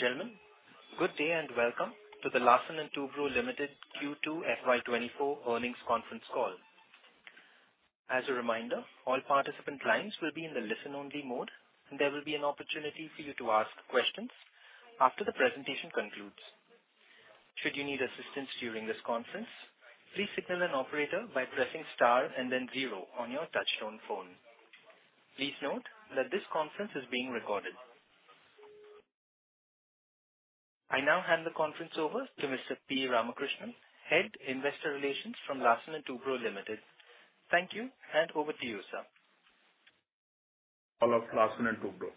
Ladies and gentlemen, good day, and welcome to the Larsen & Toubro Limited Q2 FY24 Earnings Conference Call. As a reminder, all participant lines will be in the listen-only mode, and there will be an opportunity for you to ask questions after the presentation concludes. Should you need assistance during this conference, please signal an operator by pressing star and then zero on your touchtone phone. Please note that this conference is being recorded. I now hand the conference over to Mr. P. Ramakrishnan, Head, Investor Relations from Larsen & Toubro Limited. Thank you, and over to you, sir. Of Larsen & Toubro.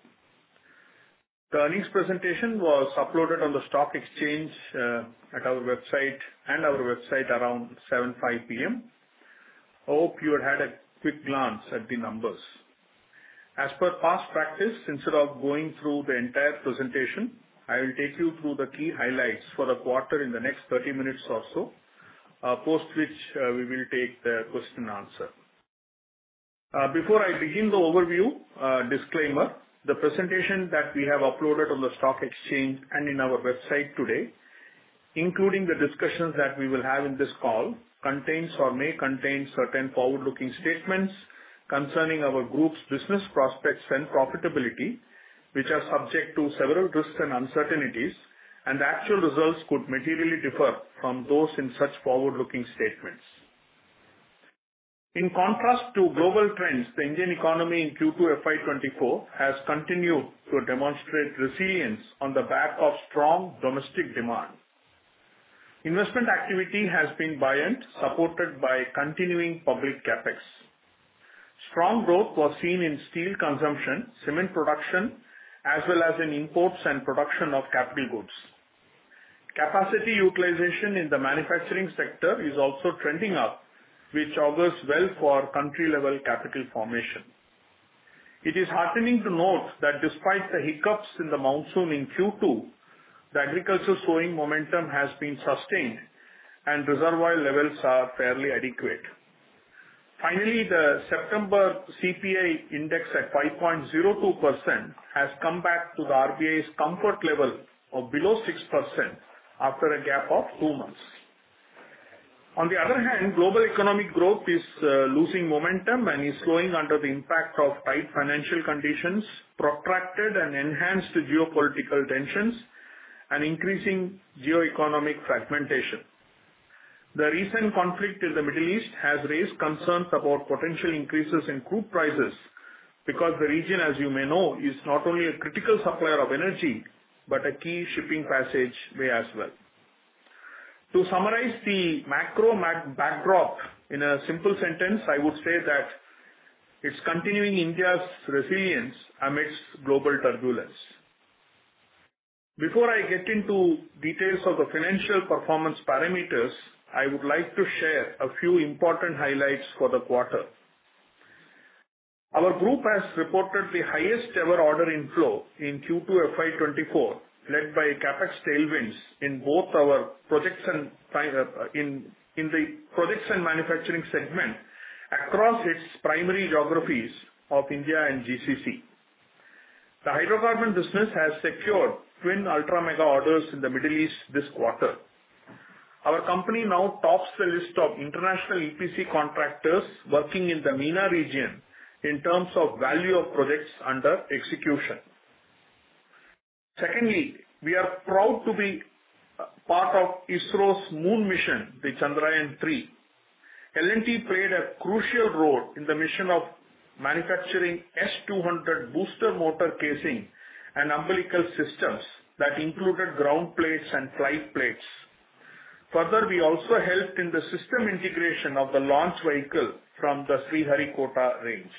The earnings presentation was uploaded on the stock exchange at our website, and our website around 7:05 P.M. Hope you had a quick glance at the numbers. As per past practice, instead of going through the entire presentation, I will take you through the key highlights for the quarter in the next 30 minutes or so, post which, we will take the question and answer. Before I begin the overview, disclaimer, the presentation that we have uploaded on the stock exchange and in our website today, including the discussions that we will have in this call, contains or may contain certain forward-looking statements concerning our group's business prospects and profitability, which are subject to several risks and uncertainties, and the actual results could materially differ from those in such forward-looking statements. In contrast to global trends, the Indian economy in Q2 FY 2024 has continued to demonstrate resilience on the back of strong domestic demand. Investment activity has been buoyant, supported by continuing public CapEx. Strong growth was seen in steel consumption, cement production, as well as in imports and production of capital goods. Capacity utilization in the manufacturing sector is also trending up, which augurs well for country-level capital formation. It is heartening to note that despite the hiccups in the monsoon in Q2, the agriculture sowing momentum has been sustained, and reservoir levels are fairly adequate. Finally, the September CPI index at 5.02% has come back to the RBI's comfort level of below 6% after a gap of two months. On the other hand, global economic growth is losing momentum and is slowing under the impact of tight financial conditions, protracted and enhanced geopolitical tensions, and increasing geoeconomic fragmentation. The recent conflict in the Middle East has raised concerns about potential increases in crude prices, because the region, as you may know, is not only a critical supplier of energy, but a key shipping passageway as well. To summarize the macro backdrop in a simple sentence, I would say that it's continuing India's resilience amidst global turbulence. Before I get into details of the financial performance parameters, I would like to share a few important highlights for the quarter. Our group has reported the highest ever order inflow in Q2 FY2024, led by CapEx tailwinds in both our Projects & Manufacturing segment across its primary geographies of India and GCC. The hydrocarbon business has secured twin Ultra Mega orders in the Middle East this quarter. Our company now tops the list of international EPC contractors working in the MENA region in terms of value of projects under execution. Secondly, we are proud to be part of ISRO's moon mission, the Chandrayaan-3. L&T played a crucial role in the mission of manufacturing S200 booster motor casing and umbilical systems that included ground plates and flight plates. Further, we also helped in the system integration of the launch vehicle from the Sriharikota range.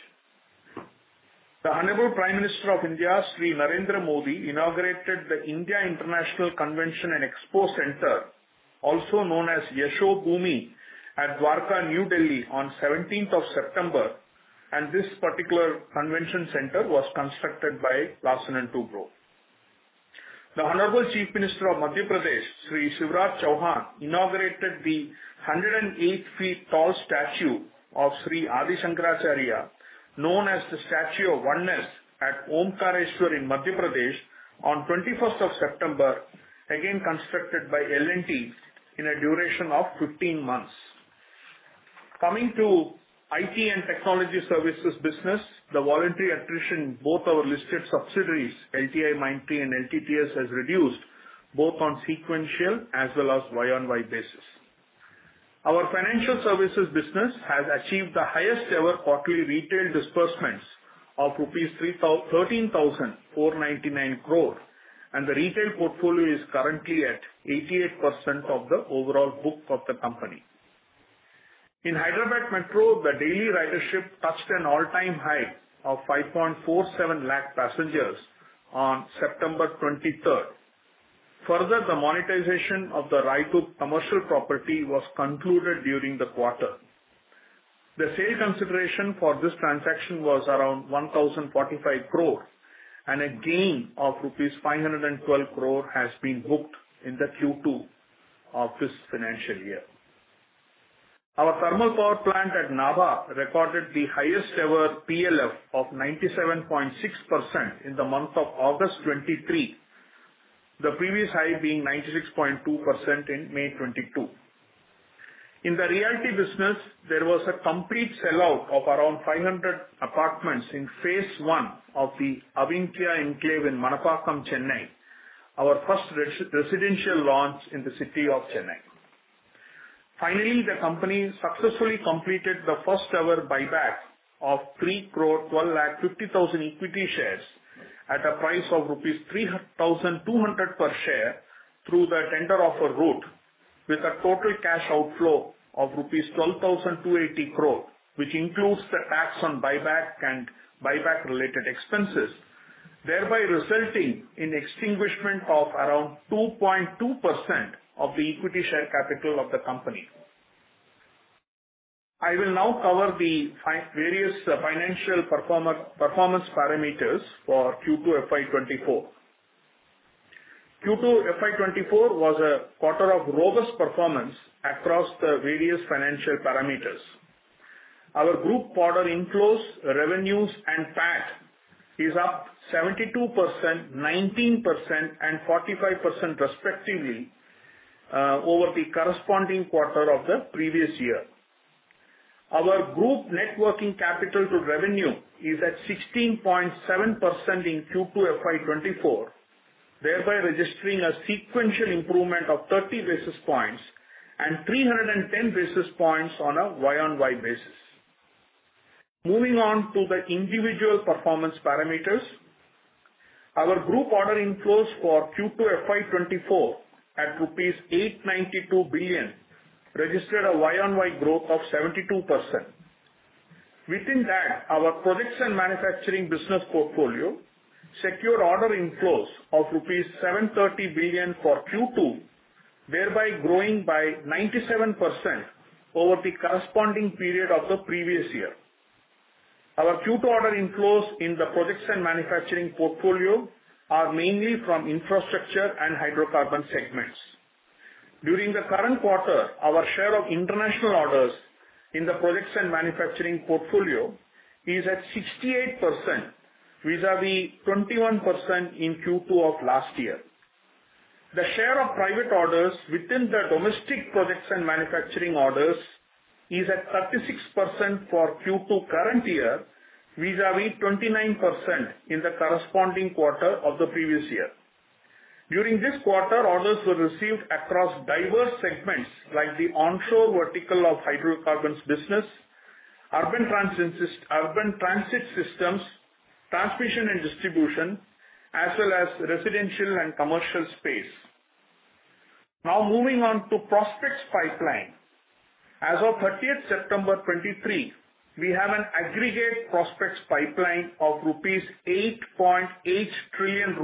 The Honorable Prime Minister of India, Shri Narendra Modi, inaugurated the India International Convention and Expo Center, also known as Yashobhoomi, at Dwarka, New Delhi, on seventeenth of September, and this particular convention center was constructed by Larsen & Toubro. The Honorable Chief Minister of Madhya Pradesh, Shri Shivraj Singh Chouhan, inaugurated the 108 feet tall statue of Shri Adi Shankaracharya, known as the Statue of Oneness, at Omkareshwar in Madhya Pradesh on twenty-first of September, again constructed by L&T in a duration of 15 months. Coming to IT and technology services business, the voluntary attrition, both our listed subsidiaries, LTIMindtree and LTTS, has reduced both on sequential as well as Y on Y basis. Our financial services business has achieved the highest ever quarterly retail disbursements of INR 13,499 crore, and the retail portfolio is currently at 88% of the overall book of the company. In Hyderabad Metro, the daily ridership touched an all-time high of 547,000 passengers on September twenty-third. Further, the monetization of the Raidurg commercial property was concluded during the quarter. The sale consideration for this transaction was around 1,045 crore, and a gain of rupees 512 crore has been booked in the Q2 of this financial year. Our thermal power plant at Nabha Power recorded the highest ever PLF of 97.6% in the month of August 2023, the previous high being 96.2% in May 2022. In the Realty business, there was a complete sellout of around 500 apartments in phase I of the Avinya Enclave in Manapakkam, Chennai, our first residential launch in the city of Chennai. Finally, the company successfully completed the first-ever buyback of 31,250,000 equity shares at a price of rupees 3,200 per share through the tender offer route, with a total cash outflow of rupees 12,280 crore, which includes the tax on buyback and buyback related expenses, thereby resulting in extinguishment of around 2.2% of the equity share capital of the company. I will now cover the various financial performance parameters for Q2 FY 2024. Q2 FY 2024 was a quarter of robust performance across the various financial parameters. Our group quarter inflows, revenues, and PAT is up 72%, 19%, and 45% respectively over the corresponding quarter of the previous year. Our group net working capital to revenue is at 16.7% in Q2 FY 2024, thereby registering a sequential improvement of 30 basis points and 310 basis points on a Y-o-Y basis. Moving on to the individual performance parameters, our group order inflows for Q2 FY 2024, at INR 892 billion, registered a Y-o-Y growth of 72%. Within that, our projects and manufacturing business portfolio secured order inflows of rupees 730 billion for Q2, thereby growing by 97% over the corresponding period of the previous year. Our Q2 order inflows in the projects and manufacturing portfolio are mainly from infrastructure and hydrocarbon segments. During the current quarter, our share of international orders in the projects and manufacturing portfolio is at 68%, vis-a-vis 21% in Q2 of last year. The share of private orders within the domestic projects and manufacturing orders is at 36% for Q2 current year, vis-a-vis 29% in the corresponding quarter of the previous year. During this quarter, orders were received across diverse segments, like the onshore vertical of hydrocarbons business, urban transit systems, transmission and distribution, as well as residential and commercial space. Now moving on to prospects pipeline. As of thirtieth September 2023, we have an aggregate prospects pipeline of 8.8 trillion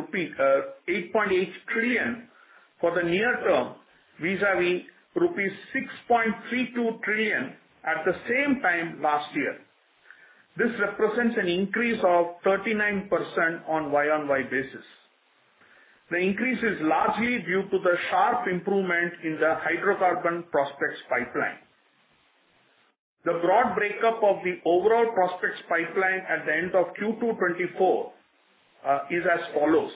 for the near term, vis-a-vis rupees 6.32 trillion at the same time last year. This represents an increase of 39% on year-on-year basis. The increase is largely due to the sharp improvement in the hydrocarbon prospects pipeline. The broad breakup of the overall prospects pipeline at the end of Q2 2024 is as follows: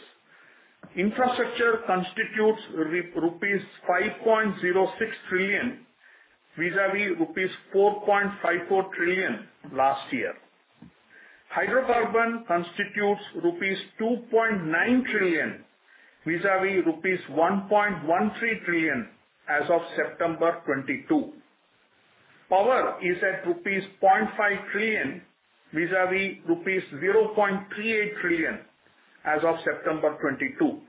infrastructure constitutes rupees 5.06 trillion, vis-a-vis rupees 4.54 trillion last year. Hydrocarbon constitutes rupees 2.9 trillion, vis-a-vis rupees 1.13 trillion as of September 2022. Power is at rupees 0.5 trillion, vis-a-vis rupees 0.38 trillion as of September 2022.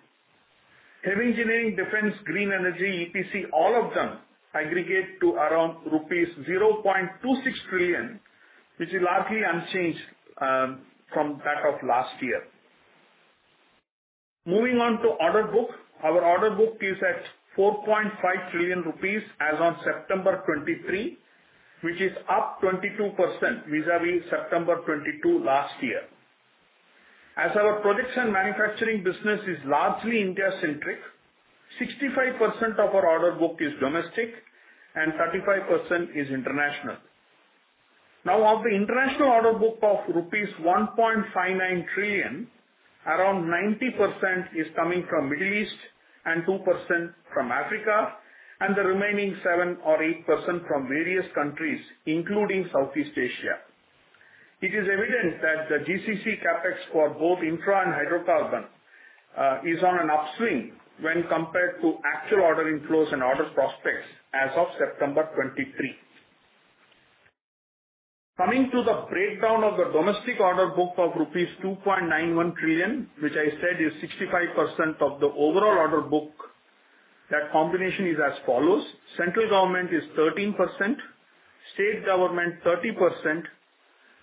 Heavy engineering, Defence, green energy, EPC, all of them aggregate to around rupees 0.26 trillion, which is largely unchanged from that of last year. Moving on to order book. Our order book is at 4.5 trillion rupees as on September 2023, which is up 22% vis-a-vis September 2022 last year. As our projects and manufacturing business is largely India-centric, 65% of our order book is domestic and 35% is international. Now, of the international order book of rupees 1.59 trillion, around 90% is coming from Middle East, and 2% from Africa, and the remaining 7 or 8% from various countries, including Southeast Asia. It is evident that the GCC CapEx for both infra and hydrocarbon is on an upswing when compared to actual order inflows and order prospects as of September 2023. Coming to the breakdown of the domestic order book of rupees 2.91 trillion, which I said is 65% of the overall order book, that combination is as follows: central government is 13%, state government 30%,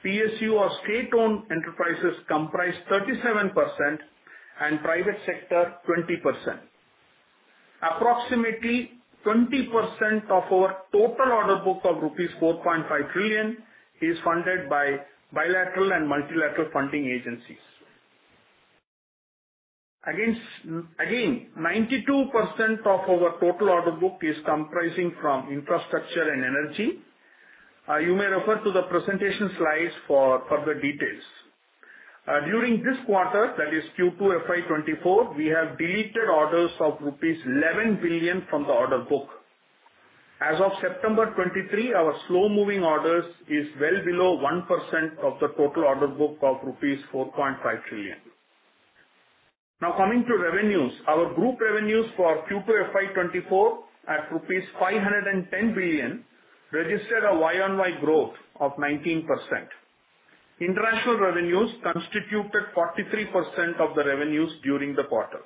PSU or state-owned enterprises comprise 37%, and private sector 20%. Approximately 20% of our total order book of rupees 4.5 trillion is funded by bilateral and multilateral funding agencies. Again, 92% of our total order book is comprising from infrastructure and energy. You may refer to the presentation slides for further details. During this quarter, that is Q2 FY 2024, we have deleted orders of rupees 11 billion from the order book. As of September 2023, our slow-moving orders is well below 1% of the total order book of rupees 4.5 trillion. Now coming to revenues. Our group revenues for Q2 FY 2024 at rupees 510 billion registered a year-on-year growth of 19%. International revenues constituted 43% of the revenues during the quarter.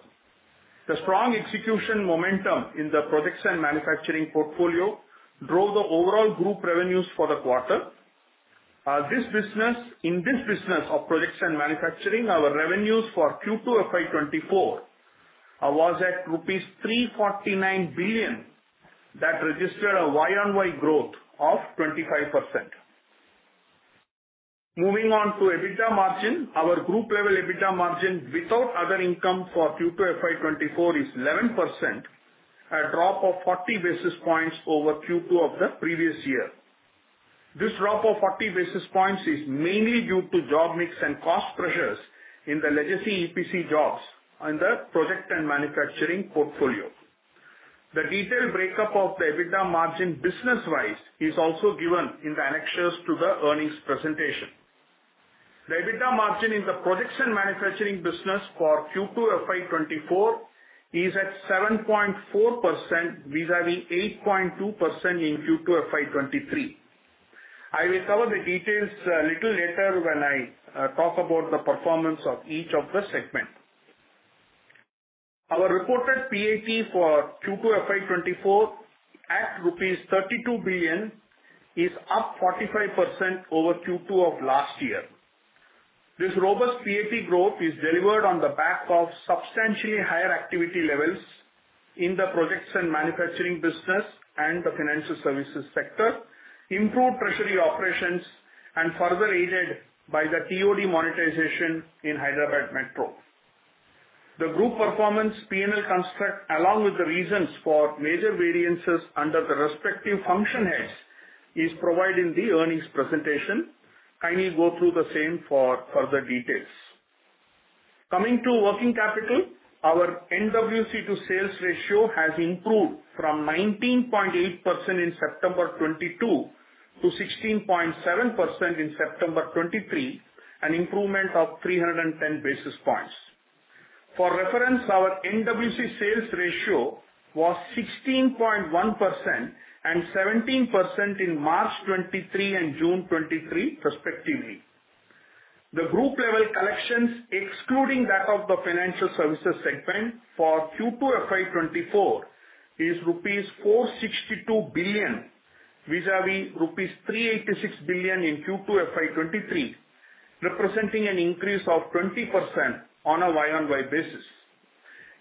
The strong execution momentum in the projects and manufacturing portfolio drove the overall group revenues for the quarter. This business in this business of projects and manufacturing, our revenues for Q2 FY 2024 was at rupees 349 billion. That registered a Y-on-Y growth of 25%. Moving on to EBITDA margin. Our group level EBITDA margin without other income for Q2 FY 2024 is 11%, a drop of 40 basis points over Q2 of the previous year. This drop of 40 basis points is mainly due to job mix and cost pressures in the legacy EPC jobs under project and manufacturing portfolio. The detailed breakup of the EBITDA margin business-wise is also given in the annexures to the earnings presentation. The EBITDA margin in the projects and manufacturing business for Q2 FY 2024 is at 7.4%, vis-a-vis 8.2% in Q2 FY 2023. I will cover the details a little later when I talk about the performance of each of the segment. Our reported PAT for Q2 FY 2024, at rupees 32 billion, is up 45% over Q2 of last year. This robust PAT growth is delivered on the back of substantially higher activity levels in the projects and manufacturing business, and the financial services sector, improved treasury operations, and further aided by the TOD monetization in Hyderabad Metro. The group performance P&L construct, along with the reasons for major variances under the respective function heads, is provided in the earnings presentation. Kindly go through the same for further details. Coming to working capital, our NWC to sales ratio has improved from 19.8% in September 2022, to 16.7% in September 2023, an improvement of 310 basis points. For reference, our NWC sales ratio was 16.1% and 17% in March 2023 and June 2023, respectively. The group level collections, excluding that of the financial services segment for Q2 FY 2024, is rupees 462 billion, vis-a-vis rupees 386 billion in Q2 FY 2023, representing an increase of 20% on a YoY basis.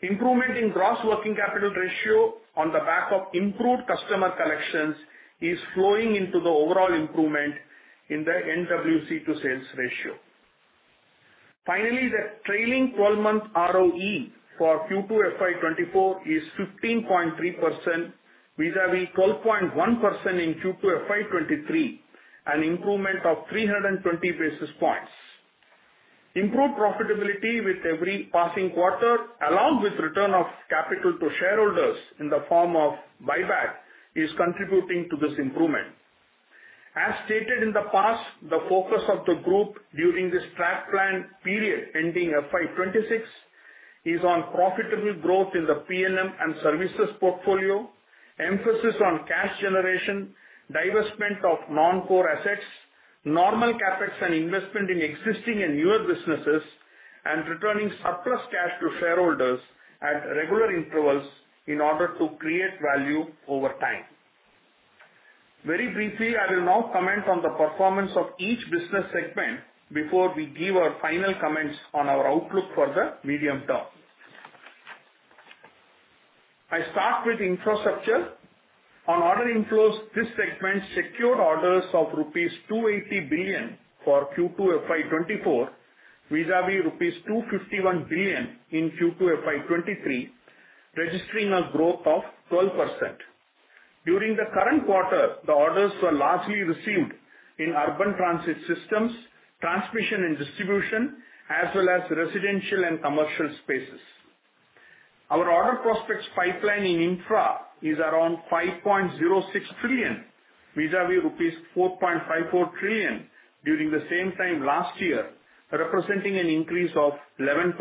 Improvement in gross working capital ratio on the back of improved customer collections, is flowing into the overall improvement in the NWC to sales ratio. Finally, the trailing twelve-month ROE for Q2 FY 2024 is 15.3%, vis-a-vis 12.1% in Q2 FY 2023, an improvement of 320 basis points. Improved profitability with every passing quarter, along with return of capital to shareholders in the form of buyback, is contributing to this improvement. As stated in the past, the focus of the group during this Strat Plan period ending FY 2026, is on profitable growth in the P&M and services portfolio, emphasis on cash generation, divestment of non-core assets, normal CapEx and investment in existing and newer businesses, and returning surplus cash to shareholders at regular intervals in order to create value over time. Very briefly, I will now comment on the performance of each business segment, before we give our final comments on our outlook for the medium term. I start with infrastructure. On order inflows, this segment secured orders of rupees 280 billion for Q2 FY 2024, vis-a-vis rupees 251 billion in Q2 FY 2023, registering a growth of 12%. During the current quarter, the orders were largely received in urban transit systems, transmission and distribution, as well as residential and commercial spaces. Our order prospects pipeline in infra is around 5.06 trillion, vis-a-vis rupees 4.54 trillion during the same time last year, representing an increase of 11%.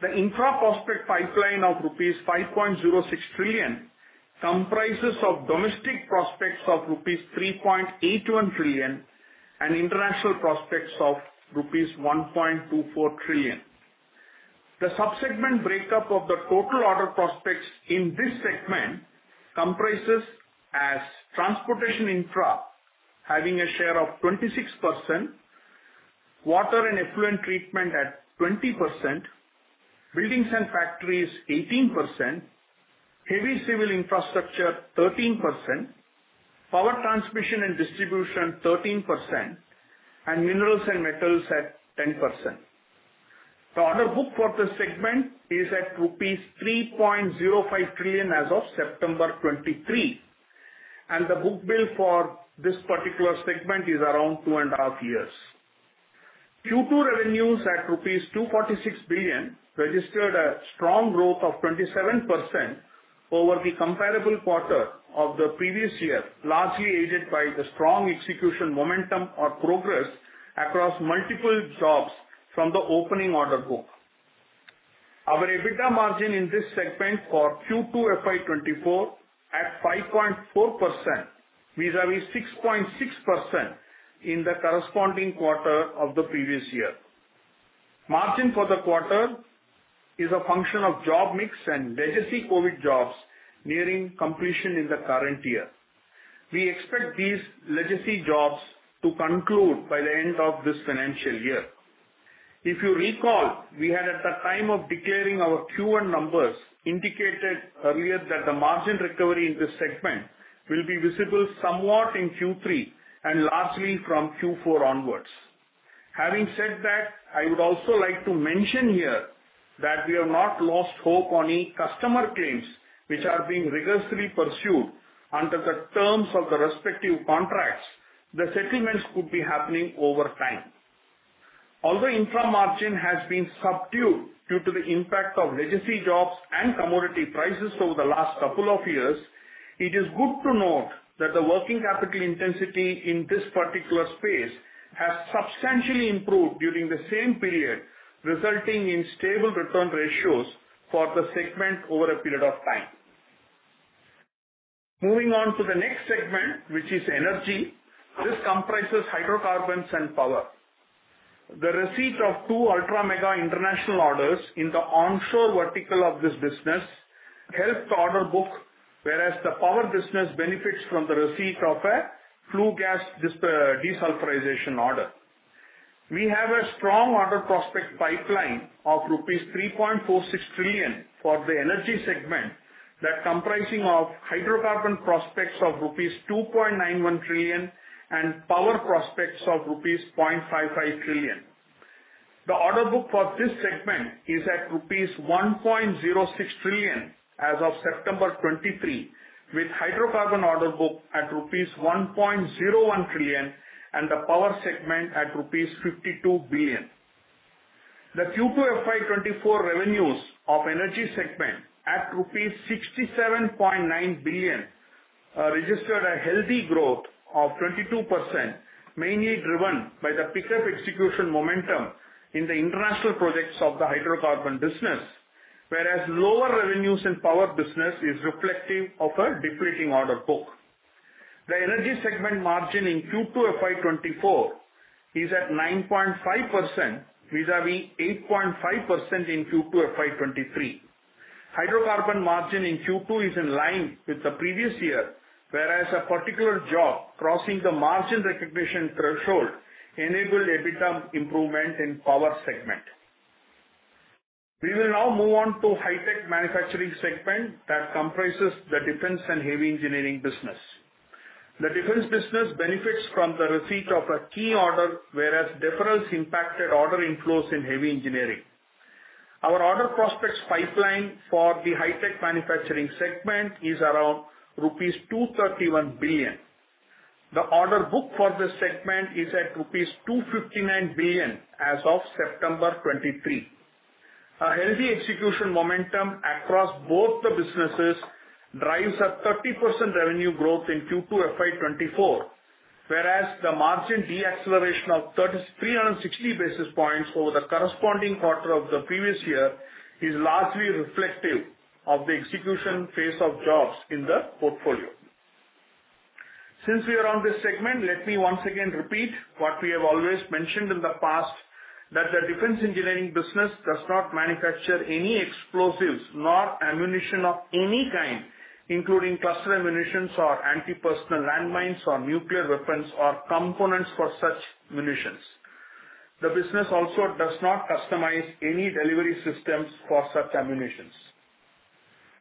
The infra prospect pipeline of rupees 5.06 trillion, comprises of domestic prospects of rupees 3.81 trillion and international prospects of rupees 1.24 trillion. The sub-segment breakup of the total order prospects in this segment comprises as: transportation infra, having a share of 26%, water and effluent treatment at 20%, buildings and factories, 18%, heavy civil infrastructure, 13%, power transmission and distribution, 13%, and minerals and metals at 10%. The order book for this segment is at rupees 3.05 trillion as of September 2023, and the book-to-bill for this particular segment is around two and a half years. Q2 revenues at rupees 246 billion, registered a strong growth of 27% over the comparable quarter of the previous year, largely aided by the strong execution momentum or progress across multiple jobs from the opening order book. Our EBITDA margin in this segment for Q2 FY 2024 at 5.4%, vis-à-vis 6.6% in the corresponding quarter of the previous year. Margin for the quarter is a function of job mix and legacy COVID jobs nearing completion in the current year. We expect these legacy jobs to conclude by the end of this financial year. If you recall, we had, at the time of declaring our Q1 numbers, indicated earlier that the margin recovery in this segment will be visible somewhat in Q3 and largely from Q4 onwards. Having said that, I would also like to mention here that we have not lost hope on any customer claims, which are being rigorously pursued under the terms of the respective contracts. The settlements could be happening over time. Although infra margin has been subdued due to the impact of legacy jobs and commodity prices over the last couple of years, it is good to note that the working capital intensity in this particular space has substantially improved during the same period, resulting in stable return ratios for the segment over a period of time. Moving on to the next segment, which is energy. This comprises hydrocarbons and power. The receipt of two Ultra Mega international orders in the onshore vertical of this business helped the order book, whereas the power business benefits from the receipt of a flue gas desulfurization order. We have a strong order prospect pipeline of rupees 3.46 trillion for the energy segment, that comprising of hydrocarbon prospects of rupees 2.91 trillion and power prospects of rupees 0.55 trillion. The order book for this segment is at rupees 1.06 trillion as of September 2023, with hydrocarbon order book at rupees 1.01 trillion and the power segment at rupees 52 billion. The Q2 FY 2024 revenues of energy segment at rupees 67.9 billion registered a healthy growth of 22%, mainly driven by the pickup execution momentum in the international projects of the hydrocarbon business. Whereas lower revenues in power business is reflective of a depleting order book. The energy segment margin in Q2 FY 2024 is at 9.5%, vis-à-vis 8.5% in Q2 FY 2023. Hydrocarbon margin in Q2 is in line with the previous year, whereas a particular job crossing the margin recognition threshold enabled EBITDA improvement in power segment. We will now move on to Hi-Tech Manufacturing segment that comprises the Defence and heavy engineering business. The Defence business benefits from the receipt of a key order, whereas deferrals impacted order inflows in heavy engineering. Our order prospects pipeline for the Hi-Tech Manufacturing segment is around rupees 231 billion. The order book for this segment is at rupees 259 billion as of September 2023. A healthy execution momentum across both the businesses drives a 30% revenue growth in Q2 FY 2024, whereas the margin deceleration of 3,360 basis points over the corresponding quarter of the previous year is largely reflective of the execution phase of jobs in the portfolio. Since we are on this segment, let me once again repeat what we have always mentioned in the past, that the Defence engineering business does not manufacture any explosives nor ammunition of any kind, including cluster ammunitions or anti-personnel landmines, or nuclear weapons, or components for such munitions. The business also does not customize any delivery systems for such ammunitions.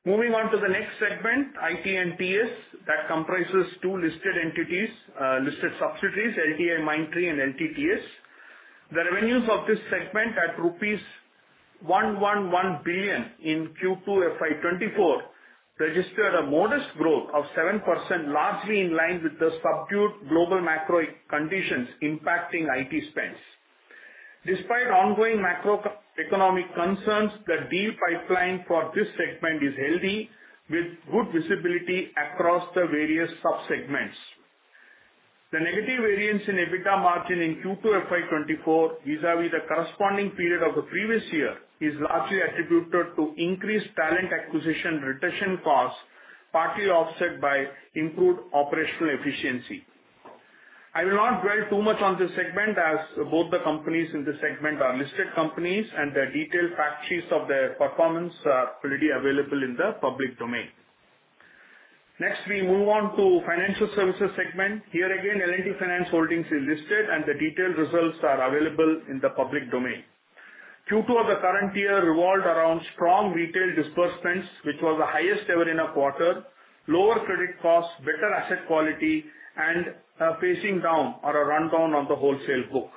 Moving on to the next segment, IT and TS. That comprises two listed entities, listed subsidiaries, LTIMindtree and LTTS. The revenues of this segment at rupees 111 billion in Q2 FY 2024, registered a modest growth of 7%, largely in line with the subdued global macro conditions impacting IT spends. Despite ongoing macroeconomic concerns, the deal pipeline for this segment is healthy, with good visibility across the various subsegments. The negative variance in EBITDA margin in Q2 FY 2024, vis-à-vis the corresponding period of the previous year, is largely attributed to increased talent acquisition retention costs, partly offset by improved operational efficiency. I will not dwell too much on this segment, as both the companies in this segment are listed companies and the detailed fact sheets of their performance are already available in the public domain. Next, we move on to financial services segment. Here again, L&T Finance Holdings is listed and the detailed results are available in the public domain.... Q2 of the current year revolved around strong retail disbursements, which was the highest ever in a quarter, lower credit costs, better asset quality, and a pacing down or a rundown of the wholesale book.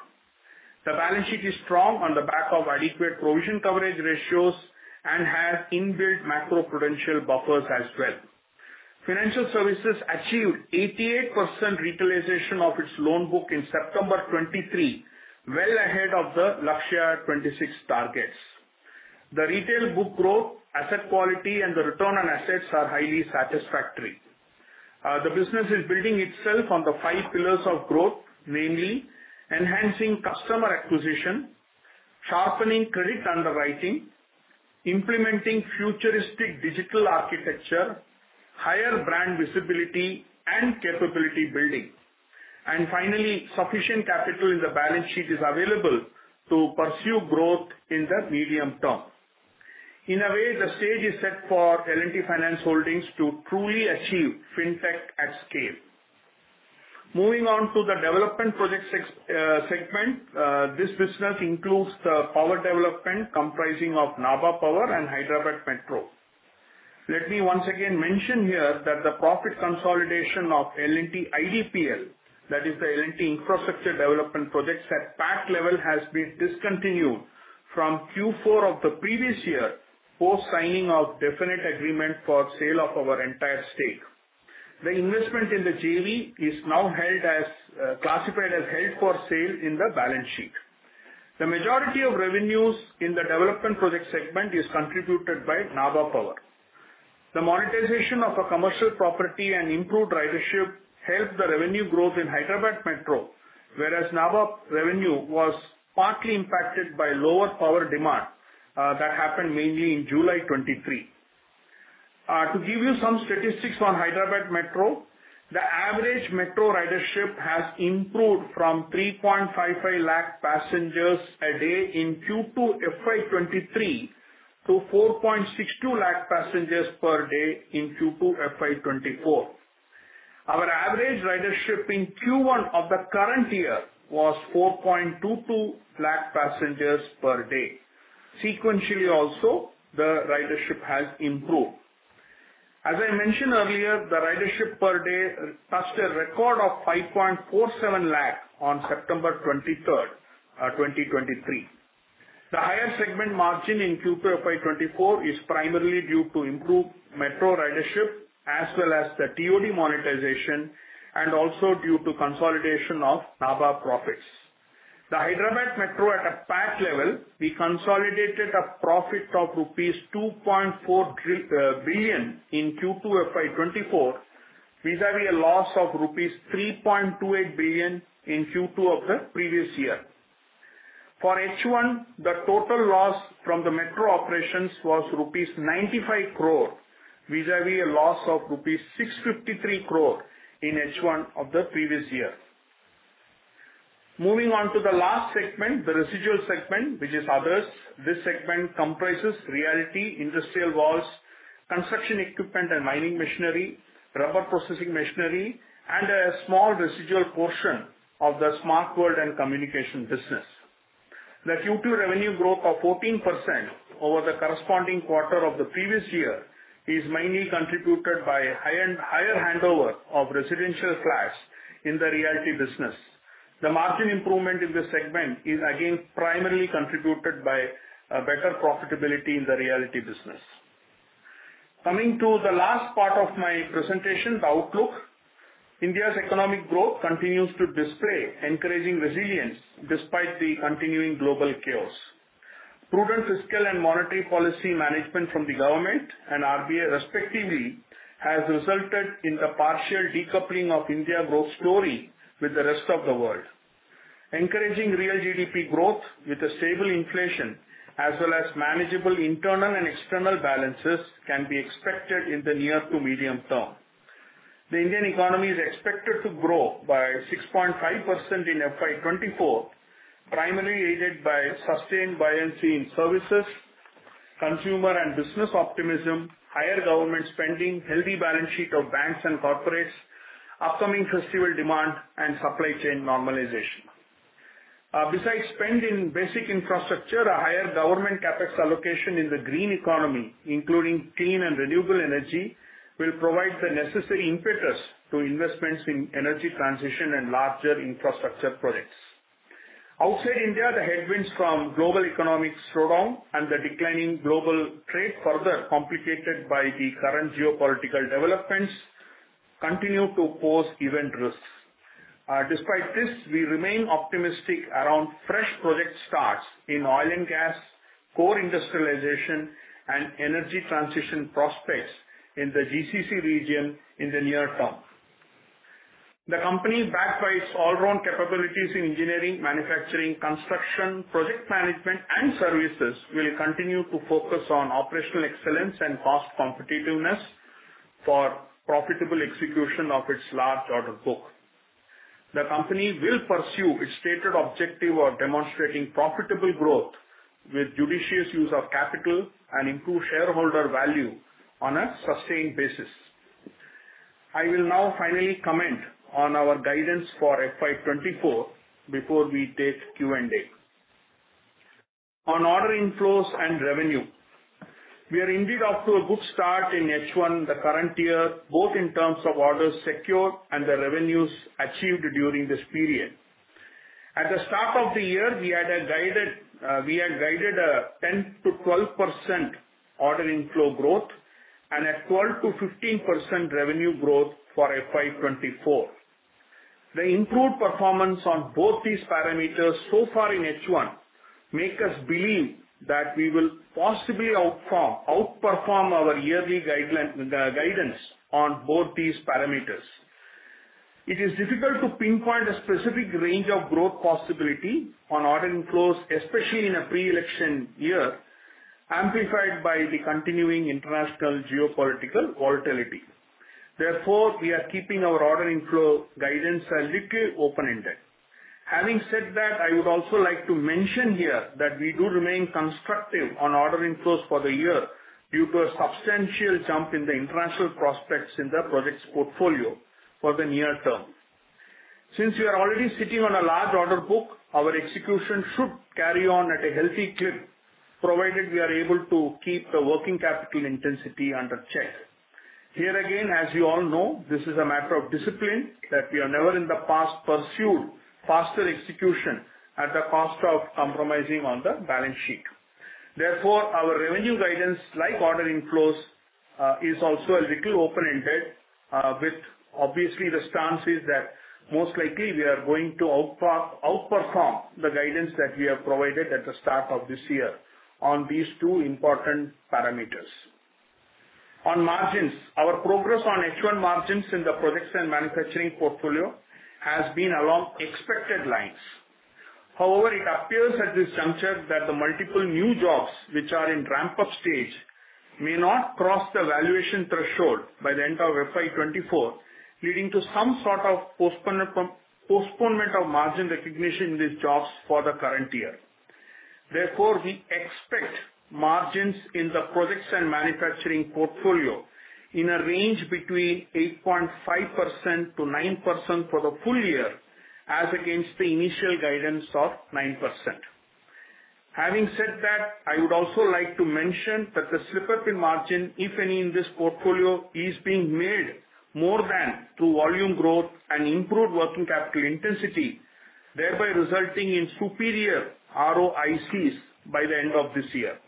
The balance sheet is strong on the back of adequate provision coverage ratios and has inbuilt macroprudential buffers as well. Financial services achieved 88% retailization of its loan book in September 2023, well ahead of the Lakshya 2026 targets. The retail book growth, asset quality, and the return on assets are highly satisfactory. The business is building itself on the five pillars of growth, namely, enhancing customer acquisition, sharpening credit underwriting, implementing futuristic digital architecture, higher brand visibility, and capability building. And finally, sufficient capital in the balance sheet is available to pursue growth in the medium term. In a way, the stage is set for L&T Finance Holdings to truly achieve Fintech at scale. Moving on to the development project segment, this business includes the power development comprising of Nabha Power and Hyderabad Metro. Let me once again mention here that the profit consolidation of L&T IDPL, that is the L&T Infrastructure Development Projects, at PAT level has been discontinued from Q4 of the previous year, post signing of definite agreement for sale of our entire stake. The investment in the JV is now held as classified as held for sale in the balance sheet. The majority of revenues in the development project segment is contributed by Nabha Power. The monetization of a commercial property and improved ridership helped the revenue growth in Hyderabad Metro, whereas Nabha revenue was partly impacted by lower power demand that happened mainly in July 2023. To give you some statistics on Hyderabad Metro, the average metro ridership has improved from 3.55 lakh passengers a day in Q2 FY 2023, to 4.62 lakh passengers per day in Q2 FY 2024. Our average ridership in Q1 of the current year was 4.22 lakh passengers per day. Sequentially also, the ridership has improved. As I mentioned earlier, the ridership per day touched a record of 5.47 lakh on September 23rd, 2023. The higher segment margin in Q2 FY 2024 is primarily due to improved metro ridership, as well as the TOD monetization, and also due to consolidation of Nabha profits. The Hyderabad Metro at a PAT level, we consolidated a profit of rupees 2.4 billion in Q2 FY 2024, vis-à-vis a loss of rupees 3.28 billion in Q2 of the previous year. For H1, the total loss from the metro operations was rupees 95 crore, vis-à-vis a loss of rupees 653 crore in H1 of the previous year. Moving on to the last segment, the residual segment, which is others. This segment comprises realty, Industrial Valves, Construction Equipment & Mining Machinery, Rubber Processing Machinery, and a small residual portion of the Smart World & Communication business. The Q2 revenue growth of 14% over the corresponding quarter of the previous year is mainly contributed by high and higher handover of residential flats in the realty business. The margin improvement in this segment is again primarily contributed by a better profitability in the realty business. Coming to the last part of my presentation, the outlook. India's economic growth continues to display encouraging resilience despite the continuing global chaos. Prudent fiscal and monetary policy management from the government and RBI, respectively, has resulted in the partial decoupling of India growth story with the rest of the world. Encouraging real GDP growth with a stable inflation, as well as manageable internal and external balances, can be expected in the near to medium term. The Indian economy is expected to grow by 6.5% in FY 2024, primarily aided by sustained buoyancy in services, consumer and business optimism, higher government spending, healthy balance sheet of banks and corporates, upcoming festival demand, and supply chain normalization. Besides spend in basic infrastructure, a higher government CapEx allocation in the green economy, including clean and renewable energy, will provide the necessary impetus to investments in energy transition and larger infrastructure projects. Outside India, the headwinds from global economic slowdown and the declining global trade, further complicated by the current geopolitical developments, continue to pose event risks. Despite this, we remain optimistic around fresh project starts in oil and gas, core industrialization, and energy transition prospects in the GCC region in the near term. The company, backed by its all-round capabilities in engineering, manufacturing, construction, project management, and services, will continue to focus on operational excellence and cost competitiveness for profitable execution of its large order book. The company will pursue its stated objective of demonstrating profitable growth with judicious use of capital and improve shareholder value on a sustained basis. I will now finally comment on our guidance for FY 2024 before we take Q&A. On order inflows and revenue, we are indeed off to a good start in H1, the current year, both in terms of orders secured and the revenues achieved during this period. At the start of the year, we had guided a 10%-12% order inflow growth and a 12%-15% revenue growth for FY 2024. The improved performance on both these parameters so far in H1 make us believe that we will possibly outperform our yearly guideline, guidance on both these parameters. It is difficult to pinpoint a specific range of growth possibility on order inflows, especially in a pre-election year, amplified by the continuing international geopolitical volatility. Therefore, we are keeping our order inflow guidance a little open-ended. Having said that, I would also like to mention here that we do remain constructive on order inflows for the year due to a substantial jump in the international prospects in the projects portfolio for the near term. Since we are already sitting on a large order book, our execution should carry on at a healthy clip, provided we are able to keep the working capital intensity under check. Here again, as you all know, this is a matter of discipline, that we have never in the past pursued faster execution at the cost of compromising on the balance sheet. Therefore, our revenue guidance, like order inflows, is also a little open-ended, with obviously the stance is that most likely we are going to outperform the guidance that we have provided at the start of this year on these two important parameters. On margins, our progress on H1 margins in the projects and manufacturing portfolio has been along expected lines. However, it appears at this juncture that the multiple new jobs which are in ramp-up stage may not cross the valuation threshold by the end of FY 2024, leading to some sort of postponement, postponement of margin recognition in these jobs for the current year. Therefore, we expect margins in the projects and manufacturing portfolio in a range between 8.5% - 9% for the full year, as against the initial guidance of 9%. Having said that, I would also like to mention that the slip-up in margin, if any, in this portfolio, is being made more than through volume growth and improved working capital intensity, thereby resulting in superior ROICs by the end of this year.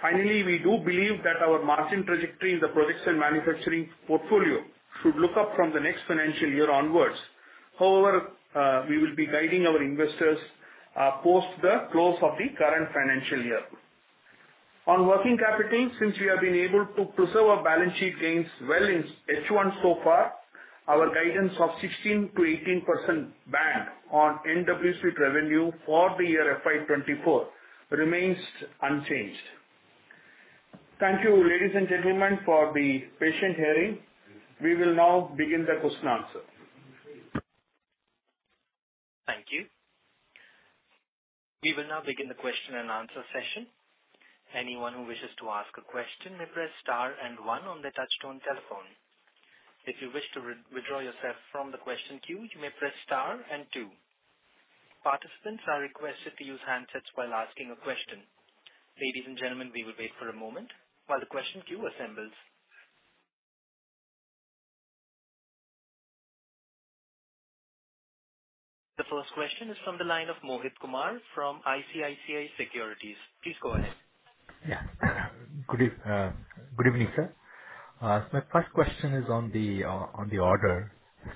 Finally, we do believe that our margin trajectory in the projects and manufacturing portfolio should look up from the next financial year onwards. However, we will be guiding our investors, post the close of the current financial year. On working capital, since we have been able to preserve our balance sheet gains well in H1 so far, our guidance of 16%-18% NWC to revenue for the year FY 2024 remains unchanged. Thank you, ladies and gentlemen, for the patient hearing. We will now begin the question answer. Thank you. We will now begin the question and answer session. Anyone who wishes to ask a question may press star and one on their touchtone telephone. If you wish to re-withdraw yourself from the question queue, you may press star and two. Participants are requested to use handsets while asking a question. Ladies and gentlemen, we will wait for a moment while the question queue assembles. The first question is from the line of Mohit Kumar from ICICI Securities. Please go ahead. Yeah. Good eve, good evening, sir. So my first question is on the, on the order.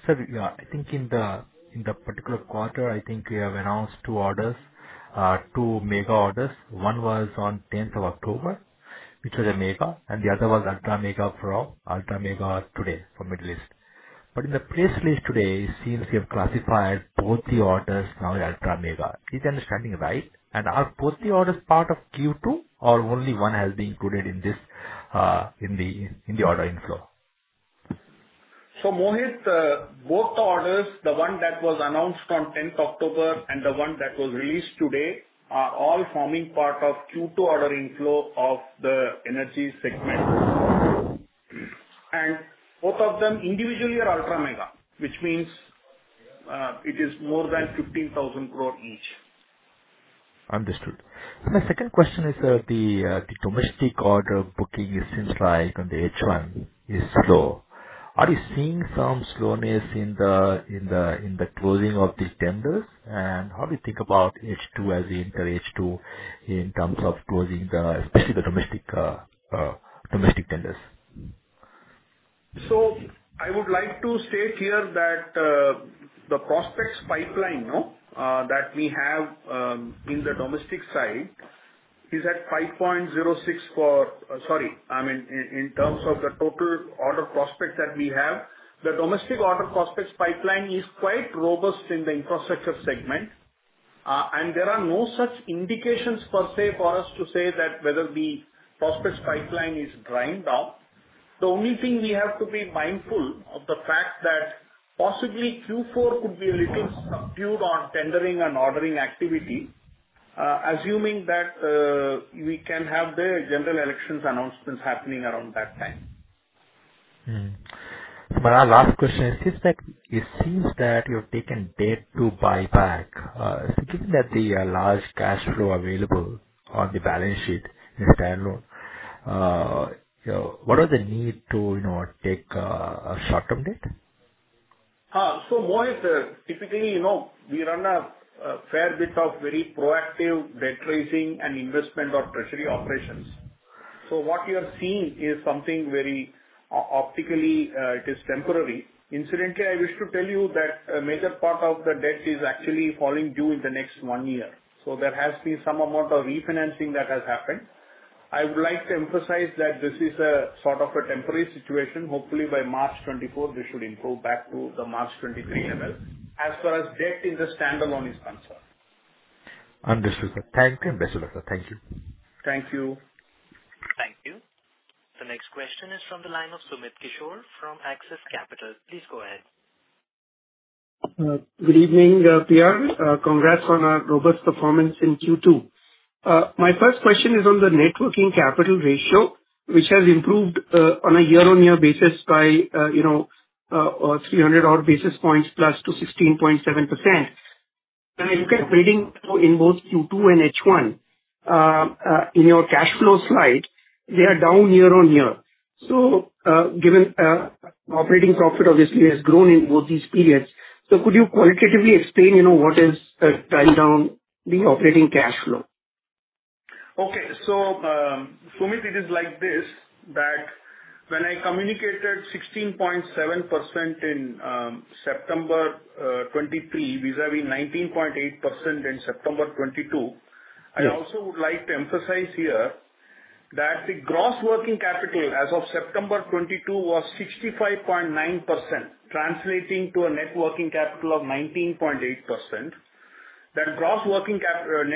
Sir, I think in the, in the particular quarter, I think you have announced two orders, two mega orders. One was on 10th of October, which was a mega, and the other was ultra mega from ultra mega today from Middle East. But in the press release today, it seems you have classified both the orders now as ultra mega. Is it understanding right? And are both the orders part of Q2, or only one has been included in this, in the, in the order inflow? So, Mohit, both the orders, the one that was announced on 10 October and the one that was released today, are all forming part of Q2 order inflow of the energy segment. And both of them individually are ultra mega, which means, it is more than 15,000 crore each. Understood. My second question is, the domestic order booking it seems like on the H1 is slow. Are you seeing some slowness in the closing of these tenders? And how do you think about H2 as we enter H2 in terms of closing the, especially the domestic tenders? So I would like to state here that, sorry, I mean, in terms of the total order prospects that we have, the domestic order prospects pipeline is quite robust in the infrastructure segment. And there are no such indications per se for us to say that whether the prospects pipeline is drying down. The only thing we have to be mindful of the fact that possibly Q4 could be a little subdued on tendering and ordering activity. Assuming that we can have the general elections announcements happening around that time. Mm-hmm. My last question is, it seems like, it seems that you've taken debt to buyback. Given that the large cash flow available on the balance sheet in standalone, what are the need to, you know, take a short-term debt? So Mohit, typically, you know, we run a fair bit of very proactive debt raising and investment or treasury operations. So what you are seeing is something very optically, it is temporary. Incidentally, I wish to tell you that a major part of the debt is actually falling due in the next one year, so there has been some amount of refinancing that has happened. I would like to emphasize that this is a sort of a temporary situation. Hopefully, by March twenty-fourth, this should improve back to the March twenty-three level, as far as debt in the standalone is concerned. Understood, sir. Thank you, PR, sir. Thank you. Thank you. Thank you. The next question is from the line of Sumit Kishore from Axis Capital. Please go ahead. Good evening, PR. Congrats on a robust performance in Q2. My first question is on the net working capital ratio, which has improved on a year-on-year basis by, you know, 300-odd basis points plus to 16.7%. And, Greetings through in both Q2 and H1 in your cash flow slide, they are down year-on-year. So, given operating profit obviously has grown in both these periods, so could you qualitatively explain, you know, what is tying down the operating cash flow? Okay. So, Sumit, it is like this, that when I communicated 16.7% in September 2023 vis-à-vis 19.8% in September 2022- Yes. I also would like to emphasize here that the gross working capital as of September 2022 was 65.9%, translating to a net working capital of 19.8%. That gross working capital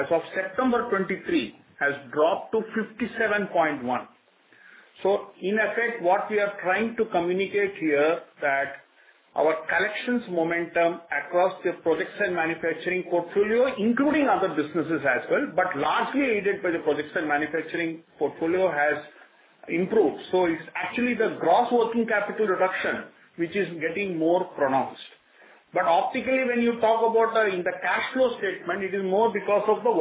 as of September 2023 has dropped to 57.1%. So in effect, what we are trying to communicate here, that our collections momentum across the projects and manufacturing portfolio, including other businesses as well, but largely aided by the projects and manufacturing portfolio, has improved. So it's actually the gross working capital reduction, which is getting more pronounced. But optically, when you talk about in the cash flow statement, it is more because of the